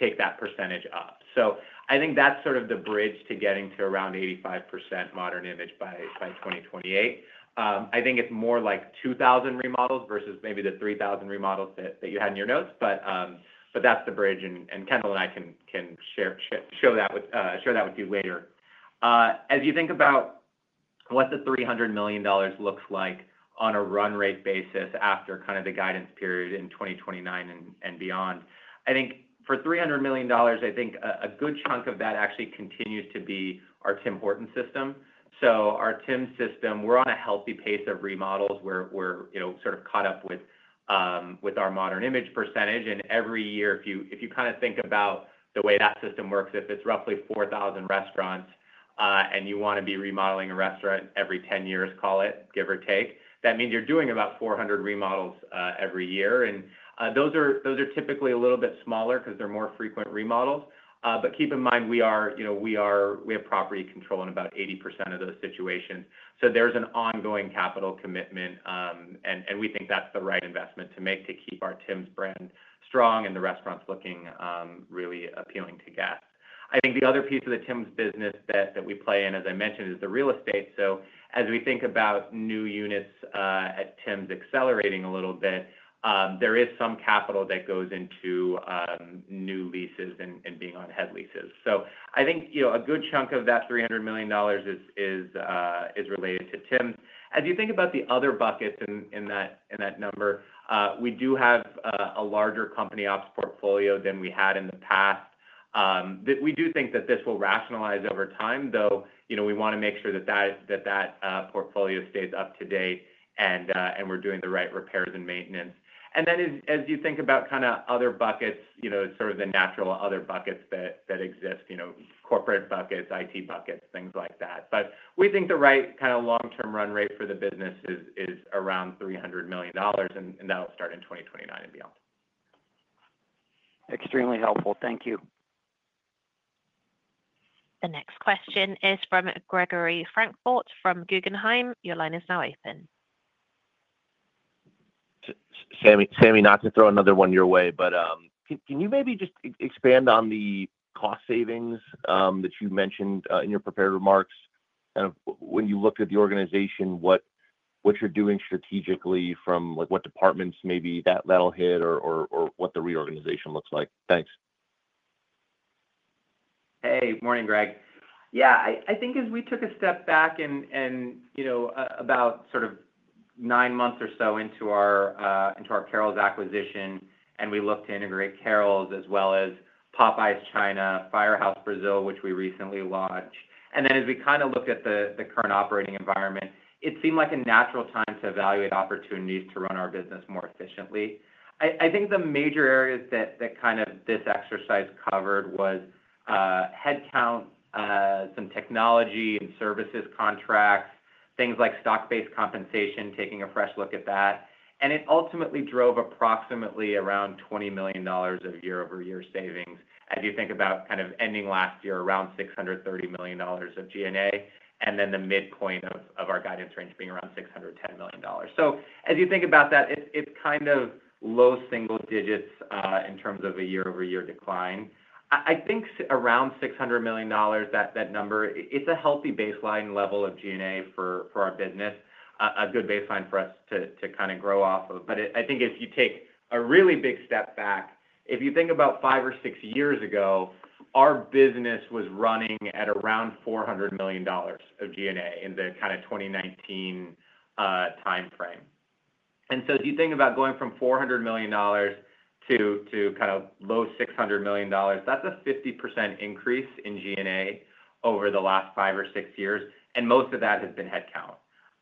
S4: take that percentage up. So I think that's sort of the bridge to getting to around 85% modern image by 2028. I think it's more like 2,000 remodels versus maybe the 3,000 remodels that you had in your notes, but that's the bridge. And Kendall and I can show that with you later. As you think about what the $300 million looks like on a run rate basis after kind of the guidance period in 2029 and beyond, I think for $300 million, I think a good chunk of that actually continues to be our Tim Hortons system. So our Tims system, we're on a healthy pace of remodels. We're sort of caught up with our modern image percentage. Every year, if you kind of think about the way that system works, if it's roughly 4,000 restaurants and you want to be remodeling a restaurant every 10 years, call it, give or take, that means you're doing about 400 remodels every year. And those are typically a little bit smaller because they're more frequent remodels. But keep in mind, we have property control in about 80% of those situations. So there's an ongoing capital commitment, and we think that's the right investment to make to keep our Tims brand strong and the restaurants looking really appealing to guests. I think the other piece of the Tims business that we play in, as I mentioned, is the real estate. So as we think about new units at Tims accelerating a little bit, there is some capital that goes into new leases and being on head leases. So I think a good chunk of that $300 million is related to Tims. As you think about the other buckets in that number, we do have a larger company ops portfolio than we had in the past. We do think that this will rationalize over time, though we want to make sure that that portfolio stays up to date and we're doing the right repairs and maintenance. And then as you think about kind of other buckets, sort of the natural other buckets that exist, corporate buckets, IT buckets, things like that. But we think the right kind of long-term run rate for the business is around $300 million, and that'll start in 2029 and beyond.
S9: Extremely helpful. Thank you.
S1: The next question is from Gregory Francfort from Guggenheim. Your line is now open.
S10: Sami, not to throw another one your way, but can you maybe just expand on the cost savings that you mentioned in your prepared remarks? Kind of when you looked at the organization, what you're doing strategically from what departments maybe that'll hit or what the reorganization looks like. Thanks.
S4: Hey. Good morning, Greg. Yeah. I think as we took a step back and about sort of nine months or so into our Carrols acquisition, and we looked to integrate Carrols as well as Popeyes China, Firehouse Brazil, which we recently launched. And then as we kind of looked at the current operating environment, it seemed like a natural time to evaluate opportunities to run our business more efficiently. I think the major areas that kind of this exercise covered was headcount, some technology and services contracts, things like stock-based compensation, taking a fresh look at that. It ultimately drove approximately around $20 million of year-over-year savings. As you think about kind of ending last year, around $630 million of G&A, and then the midpoint of our guidance range being around $610 million. As you think about that, it's kind of low single digits in terms of a year-over-year decline. I think around $600 million, that number, it's a healthy baseline level of G&A for our business, a good baseline for us to kind of grow off of. I think if you take a really big step back, if you think about five or six years ago, our business was running at around $400 million of G&A in the kind of 2019 timeframe. If you think about going from $400 million to kind of low $600 million, that's a 50% increase in G&A over the last five or six years. Most of that has been headcount.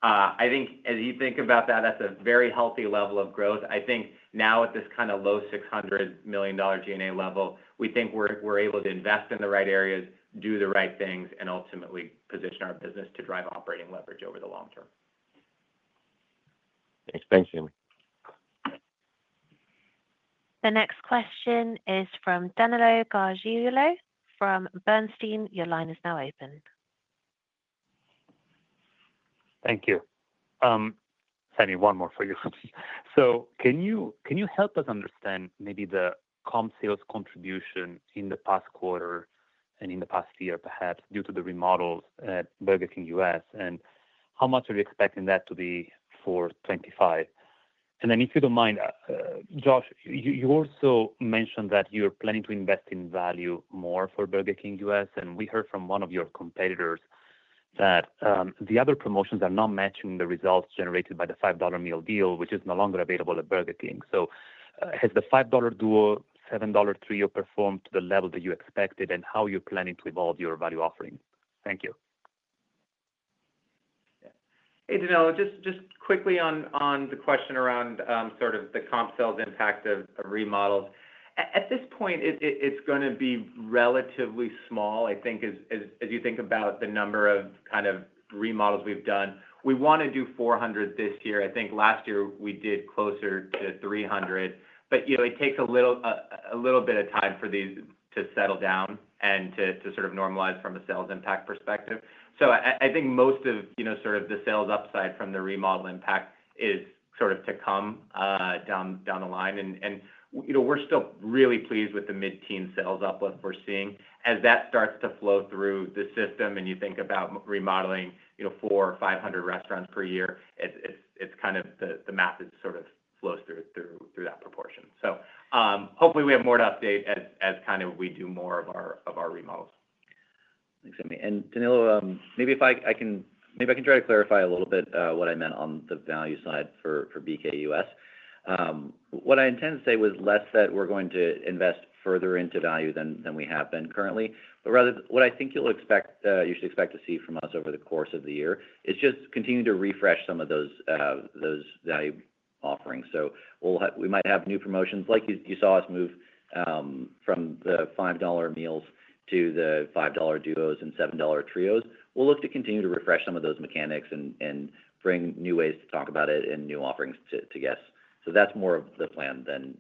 S4: I think as you think about that, that's a very healthy level of growth. I think now at this kind of low $600 million G&A level, we think we're able to invest in the right areas, do the right things, and ultimately position our business to drive operating leverage over the long term.
S10: Thanks. Thanks, Sami.
S1: The next question is from Danilo Gargiulo from Bernstein, your line is now open.
S11: Thank you. Sami, one more for you. So can you help us understand maybe the comp sales contribution in the past quarter and in the past year, perhaps, due to the remodels at Burger King US, and how much are you expecting that to be for 2025? And then if you don't mind, Josh, you also mentioned that you're planning to invest in value more for Burger King US. We heard from one of your competitors that the other promotions are not matching the results generated by the $5 meal deal, which is no longer available at Burger King. Has the $5 Duo, $7 Trio performed to the level that you expected, and how are you planning to evolve your value offering? Thank you.
S4: Hey, Danilo. Just quickly on the question around sort of the comp sales impact of remodels. At this point, it's going to be relatively small, I think, as you think about the number of kind of remodels we've done. We want to do 400 this year. I think last year we did closer to 300. But it takes a little bit of time for these to settle down and to sort of normalize from a sales impact perspective. I think most of sort of the sales upside from the remodel impact is sort of to come down the line. We are still really pleased with the mid-teen sales uplift we are seeing. As that starts to flow through the system and you think about remodeling 400 or 500 restaurants per year, it is kind of the math sort of flows through that proportion. Hopefully we have more to update as kind of we do more of our remodels.
S3: Thanks, Sami. Danilo, maybe I can try to clarify a little bit what I meant on the value side for BK US. What I intended to say was less that we are going to invest further into value than we have been currently. But rather, what I think you should expect to see from us over the course of the year is just continue to refresh some of those value offerings. So we might have new promotions like you saw us move from the $5 meals to the $5 Duos and $7 Trios. We'll look to continue to refresh some of those mechanics and bring new ways to talk about it and new offerings to guests. So that's more of the plan than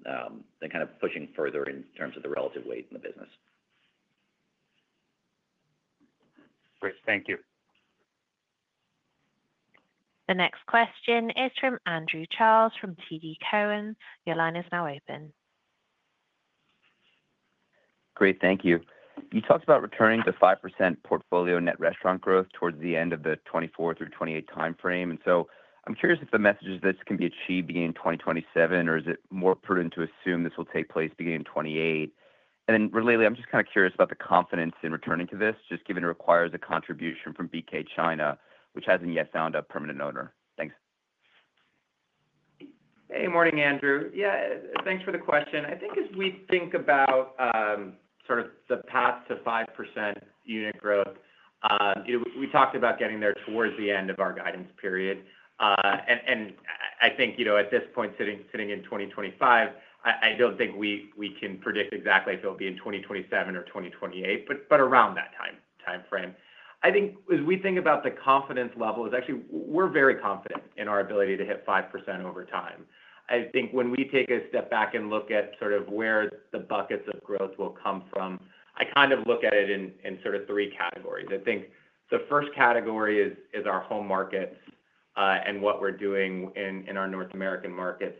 S3: kind of pushing further in terms of the relative weight in the business.
S11: Great. Thank you.
S1: The next question is from Andrew Charles from TD Cowen. Your line is now open.
S12: Great. Thank you. You talked about returning to 5% portfolio net restaurant growth towards the end of the 2024 through 2028 timeframe. And so I'm curious if the message is this can be achieved beginning 2027, or is it more prudent to assume this will take place beginning 2028? And then relatedly, I'm just kind of curious about the confidence in returning to this, just given it requires a contribution from BK China, which hasn't yet found a permanent owner. Thanks.
S4: Hey. Morning, Andrew. Yeah. Thanks for the question. I think as we think about sort of the path to 5% unit growth, we talked about getting there towards the end of our guidance period. And I think at this point, sitting in 2025, I don't think we can predict exactly if it'll be in 2027 or 2028, but around that timeframe. I think as we think about the confidence levels, actually, we're very confident in our ability to hit 5% over time. I think when we take a step back and look at sort of where the buckets of growth will come from, I kind of look at it in sort of three categories. I think the first category is our home markets and what we're doing in our North American markets.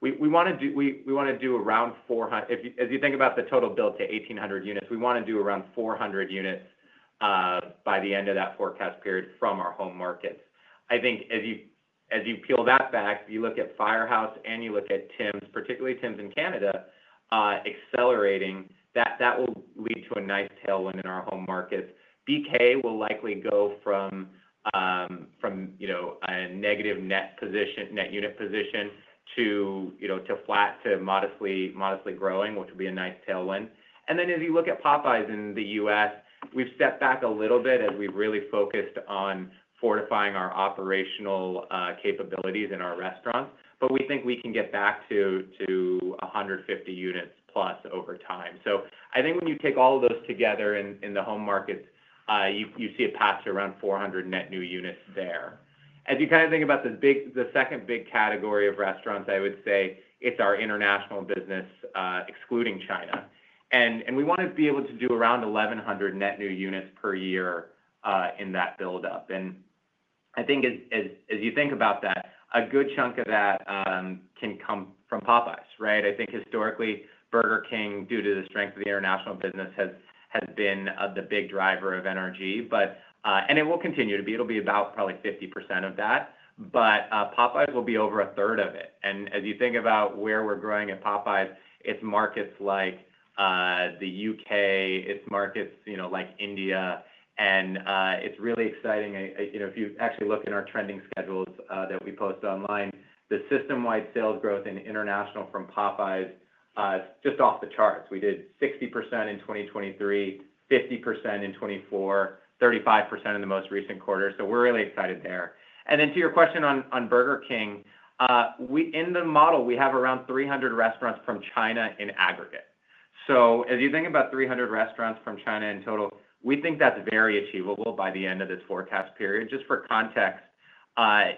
S4: We want to do around 400. As you think about the total build to 1,800 units, we want to do around 400 units by the end of that forecast period from our home markets. I think as you peel that back, you look at Firehouse and you look at Tims, particularly Tims in Canada, accelerating, that will lead to a nice tailwind in our home markets. BK will likely go from a negative net unit position to flat to modestly growing, which would be a nice tailwind. Then as you look at Popeyes in the U.S., we've stepped back a little bit as we've really focused on fortifying our operational capabilities in our restaurants. But we think we can get back to 150 units plus over time. So I think when you take all of those together in the home markets, you see a path to around 400 net new units there. As you kind of think about the second big category of restaurants, I would say it's our international business excluding China. And we want to be able to do around 1,100 net new units per year in that buildup. And I think as you think about that, a good chunk of that can come from Popeyes, right? I think historically, Burger King, due to the strength of the international business, has been the big driver of NRG. And it will continue to be. It'll be about probably 50% of that, but Popeyes will be over a third of it, and as you think about where we're growing at Popeyes, it's markets like the U.K., it's markets like India, and it's really exciting. If you actually look in our trending schedules that we post online, the system-wide sales growth in international from Popeyes is just off the charts. We did 60% in 2023, 50% in 2024, 35% in the most recent quarter, so we're really excited there, and then to your question on Burger King, in the model, we have around 300 restaurants from China in aggregate, so as you think about 300 restaurants from China in total, we think that's very achievable by the end of this forecast period. Just for context,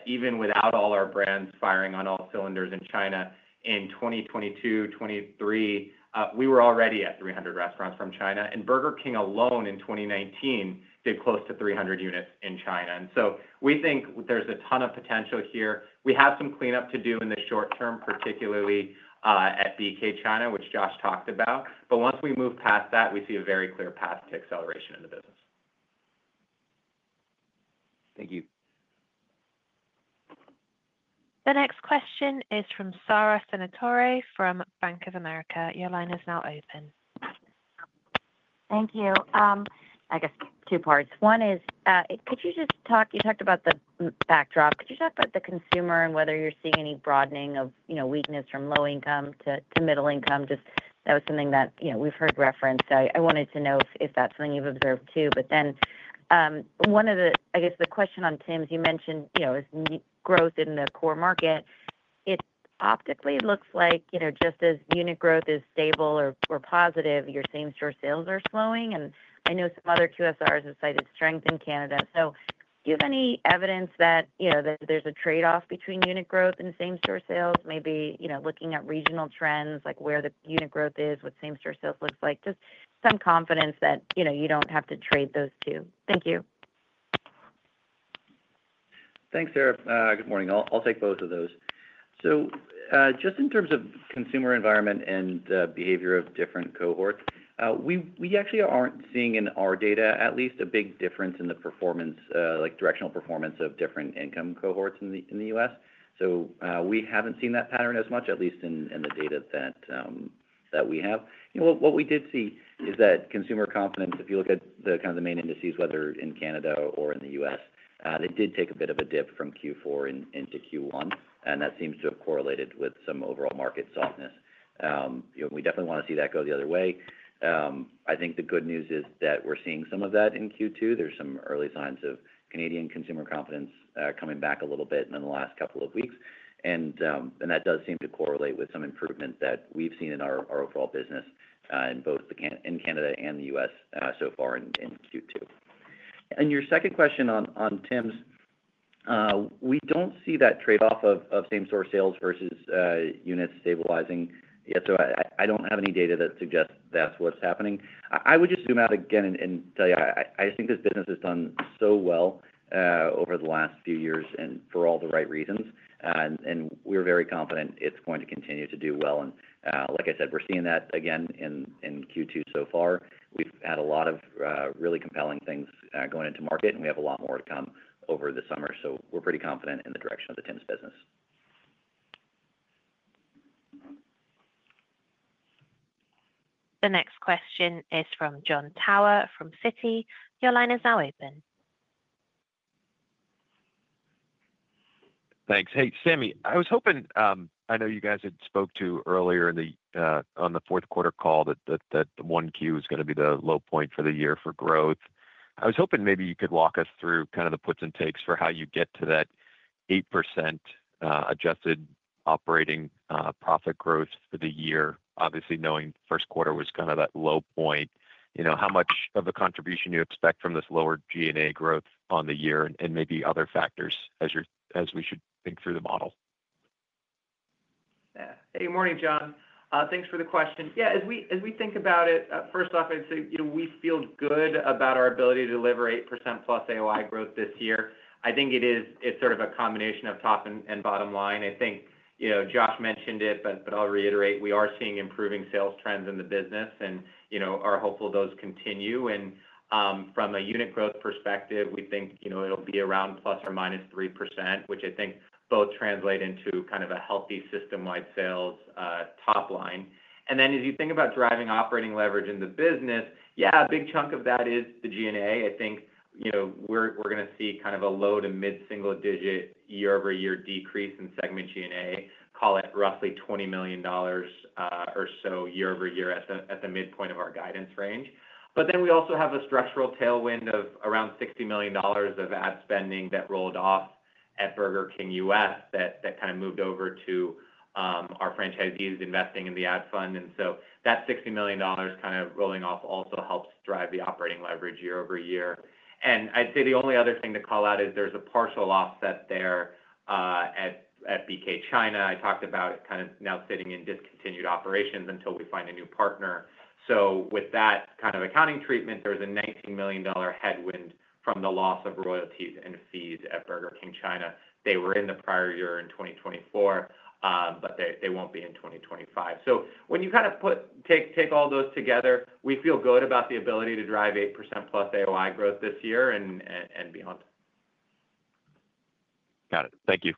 S4: even without all our brands firing on all cylinders in China, in 2022, 2023, we were already at 300 restaurants from China. And Burger King alone in 2019 did close to 300 units in China. And so we think there's a ton of potential here. We have some cleanup to do in the short term, particularly at BK China, which Josh talked about. But once we move past that, we see a very clear path to acceleration in the business.
S12: Thank you.
S1: The next question is from Sara Senatore from Bank of America. Your line is now open.
S13: Thank you. I guess two parts. One is, could you just talk? You talked about the backdrop. Could you talk about the consumer and whether you're seeing any broadening of weakness from low income to middle income? Just that was something that we've heard referenced. I wanted to know if that's something you've observed too. But then one of the, I guess, the question on Tims, you mentioned is growth in the core market. It optically looks like just as unit growth is stable or positive, your same-store sales are slowing. And I know some other QSRs have cited strength in Canada. So do you have any evidence that there's a trade-off between unit growth and same-store sales? Maybe looking at regional trends, like where the unit growth is, what same-store sales looks like, just some confidence that you don't have to trade those two. Thank you.
S3: Thanks, Sara. Good morning. I'll take both of those. So just in terms of consumer environment and behavior of different cohorts, we actually aren't seeing in our data, at least, a big difference in the performance, like directional performance of different income cohorts in the U.S. We haven't seen that pattern as much, at least in the data that we have. What we did see is that consumer confidence, if you look at kind of the main indices, whether in Canada or in the U.S., it did take a bit of a dip from Q4 into Q1. That seems to have correlated with some overall market softness. We definitely want to see that go the other way. I think the good news is that we're seeing some of that in Q2. There's some early signs of Canadian consumer confidence coming back a little bit in the last couple of weeks. That does seem to correlate with some improvement that we've seen in our overall business in Canada and the U.S. so far in Q2. Your second question on Tims, we don't see that trade-off of same-store sales versus units stabilizing. So I don't have any data that suggests that's what's happening. I would just zoom out again and tell you, I just think this business has done so well over the last few years and for all the right reasons. And we're very confident it's going to continue to do well. And like I said, we're seeing that again in Q2 so far. We've had a lot of really compelling things going into market, and we have a lot more to come over the summer. So we're pretty confident in the direction of the Tims business.
S1: The next question is from Jon Tower from Citi. Your line is now open.
S14: Thanks. Hey, Sami, I was hoping. I know you guys had spoke to earlier on the fourth quarter call that the 1Q is going to be the low point for the year for growth. I was hoping maybe you could walk us through kind of the puts and takes for how you get to that 8% adjusted operating profit growth for the year, obviously knowing first quarter was kind of that low point. How much of a contribution you expect from this lower G&A growth on the year and maybe other factors as we should think through the model?
S4: Hey. Morning, Jon. Thanks for the question. Yeah. As we think about it, first off, I'd say we feel good about our ability to deliver 8%+ AOI growth this year. I think it's sort of a combination of top and bottom line. I think Josh mentioned it, but I'll reiterate. We are seeing improving sales trends in the business, and we are hopeful those continue. From a unit growth perspective, we think it'll be around plus or -3%, which I think both translate into kind of a healthy system-wide sales top line. Then as you think about driving operating leverage in the business, yeah, a big chunk of that is the G&A. I think we're going to see kind of a low to mid-single-digit year-over-year decrease in segment G&A, call it roughly $20 million or so year-over-year at the midpoint of our guidance range. But then we also have a structural tailwind of around $60 million of ad spending that rolled off at Burger King US that kind of moved over to our franchisees investing in the ad fund. And so that $60 million kind of rolling off also helps drive the operating leverage year-over-year. And I'd say the only other thing to call out is there's a partial offset there at BK China. I talked about it kind of now sitting in discontinued operations until we find a new partner. So with that kind of accounting treatment, there was a $19 million headwind from the loss of royalties and fees at Burger King China. They were in the prior year in 2024, but they won't be in 2025. So when you kind of take all those together, we feel good about the ability to drive 8%+ AOI growth this year and beyond. Got it.
S14: Thank you.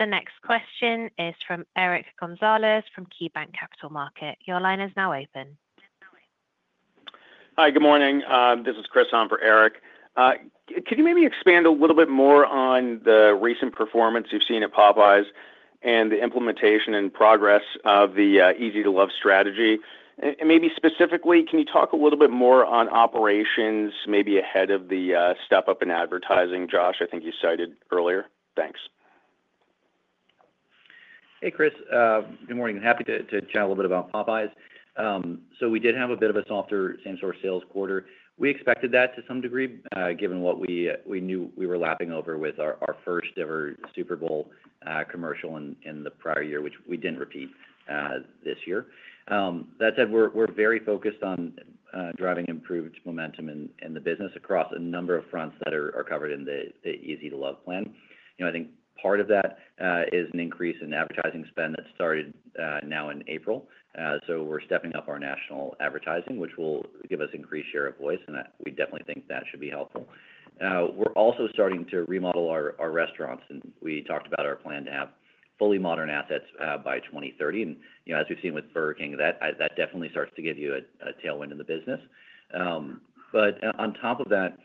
S1: The next question is from Eric Gonzalez from KeyBanc Capital Markets. Your line is now open. Hi. Good morning. This is Chris on for Eric. Could you maybe expand a little bit more on the recent performance you've seen at Popeyes and the implementation and progress of the Easy to Love strategy? And maybe specifically, can you talk a little bit more on operations maybe ahead of the step-up in advertising, Josh, I think you cited earlier? Thanks.
S3: Hey, Chris. Good morning. Happy to chat a little bit about Popeyes. So we did have a bit of a softer same-store sales quarter. We expected that to some degree given what we knew we were lapping over with our first-ever Super Bowl commercial in the prior year, which we didn't repeat this year. That said, we're very focused on driving improved momentum in the business across a number of fronts that are covered in the Easy to Love plan. I think part of that is an increase in advertising spend that started now in April. So we're stepping up our national advertising, which will give us increased share of voice. And we definitely think that should be helpful. We're also starting to remodel our restaurants. And we talked about our plan to have fully modern assets by 2030. And as we've seen with Burger King, that definitely starts to give you a tailwind in the business. But on top of that,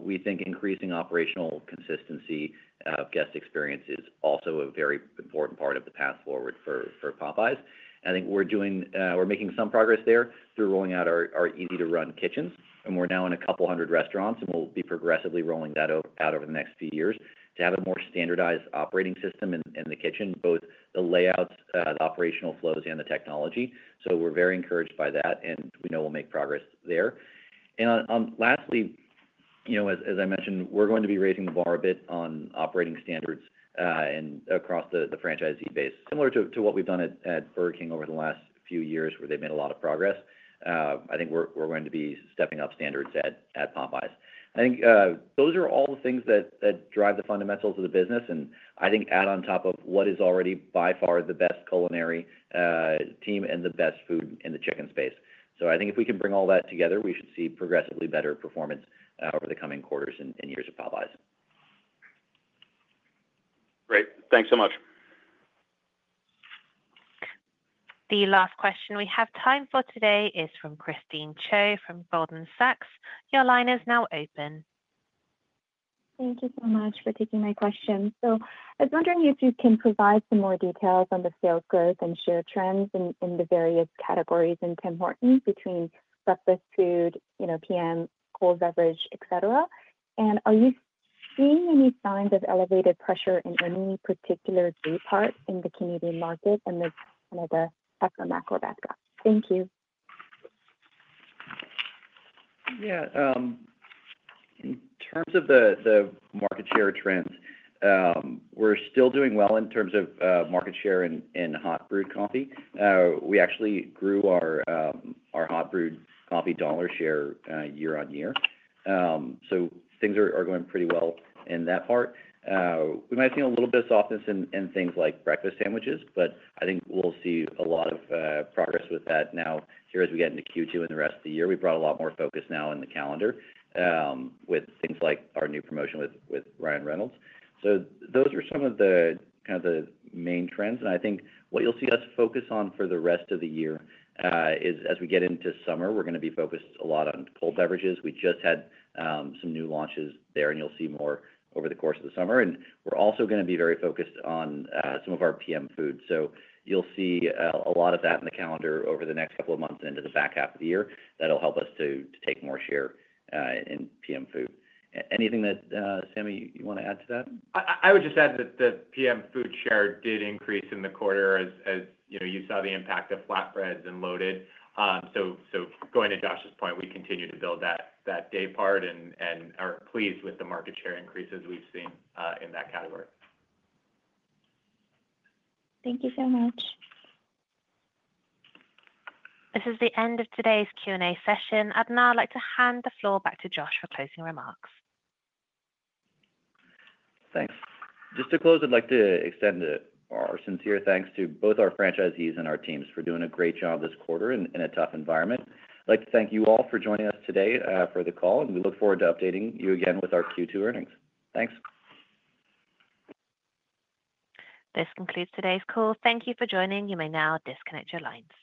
S3: we think increasing operational consistency of guest experience is also a very important part of the path forward for Popeyes. And I think we're making some progress there through rolling out our Easy to Run kitchens. And we're now in a couple hundred restaurants, and we'll be progressively rolling that out over the next few years to have a more standardized operating system in the kitchen, both the layouts, the operational flows, and the technology. So we're very encouraged by that, and we know we'll make progress there. And lastly, as I mentioned, we're going to be raising the bar a bit on operating standards across the franchisee base. Similar to what we've done at Burger King over the last few years where they've made a lot of progress, I think we're going to be stepping up standards at Popeyes. I think those are all the things that drive the fundamentals of the business. And I think add on top of what is already by far the best culinary team and the best food in the chicken space. So I think if we can bring all that together, we should see progressively better performance over the coming quarters and years of Popeyes. Great. Thanks so much.
S1: The last question we have time for today is from Christine Cho from Goldman Sachs. Your line is now open.
S15: Thank you so much for taking my question. So I was wondering if you can provide some more details on the sales growth and share trends in the various categories in Tim Hortons between breakfast food, PM, cold beverage, etc. And are you seeing any signs of elevated pressure in any particular part in the Canadian market and the kind of the macro backdrop? Thank you.
S3: Yeah. In terms of the market share trends, we're still doing well in terms of market share in hot brewed coffee. We actually grew our hot brewed coffee dollar share year-on-year. So things are going pretty well in that part. We might see a little bit of softness in things like breakfast sandwiches, but I think we'll see a lot of progress with that now here as we get into Q2 and the rest of the year. We brought a lot more focus now in the calendar with things like our new promotion with Ryan Reynolds. So those are some of the kind of the main trends. And I think what you'll see us focus on for the rest of the year is as we get into summer, we're going to be focused a lot on cold beverages. We just had some new launches there, and you'll see more over the course of the summer. And we're also going to be very focused on some of our PM food. So you'll see a lot of that in the calendar over the next couple of months and into the back half of the year. That'll help us to take more share in PM food. Anything that, Sami, you want to add to that?
S4: I would just add that the PM food share did increase in the quarter as you saw the impact of Flatbreads and Loaded. So going to Josh's point, we continue to build that day part and are pleased with the market share increases we've seen in that category.
S15: Thank you so much.
S1: This is the end of today's Q&A session. I'd now like to hand the floor back to Josh for closing remarks.
S3: Thanks. Just to close, I'd like to extend our sincere thanks to both our franchisees and our teams for doing a great job this quarter in a tough environment. I'd like to thank you all for joining us today for the call. And we look forward to updating you again with our Q2 earnings. Thanks.
S1: This concludes today's call. Thank you for joining. You may now disconnect your lines.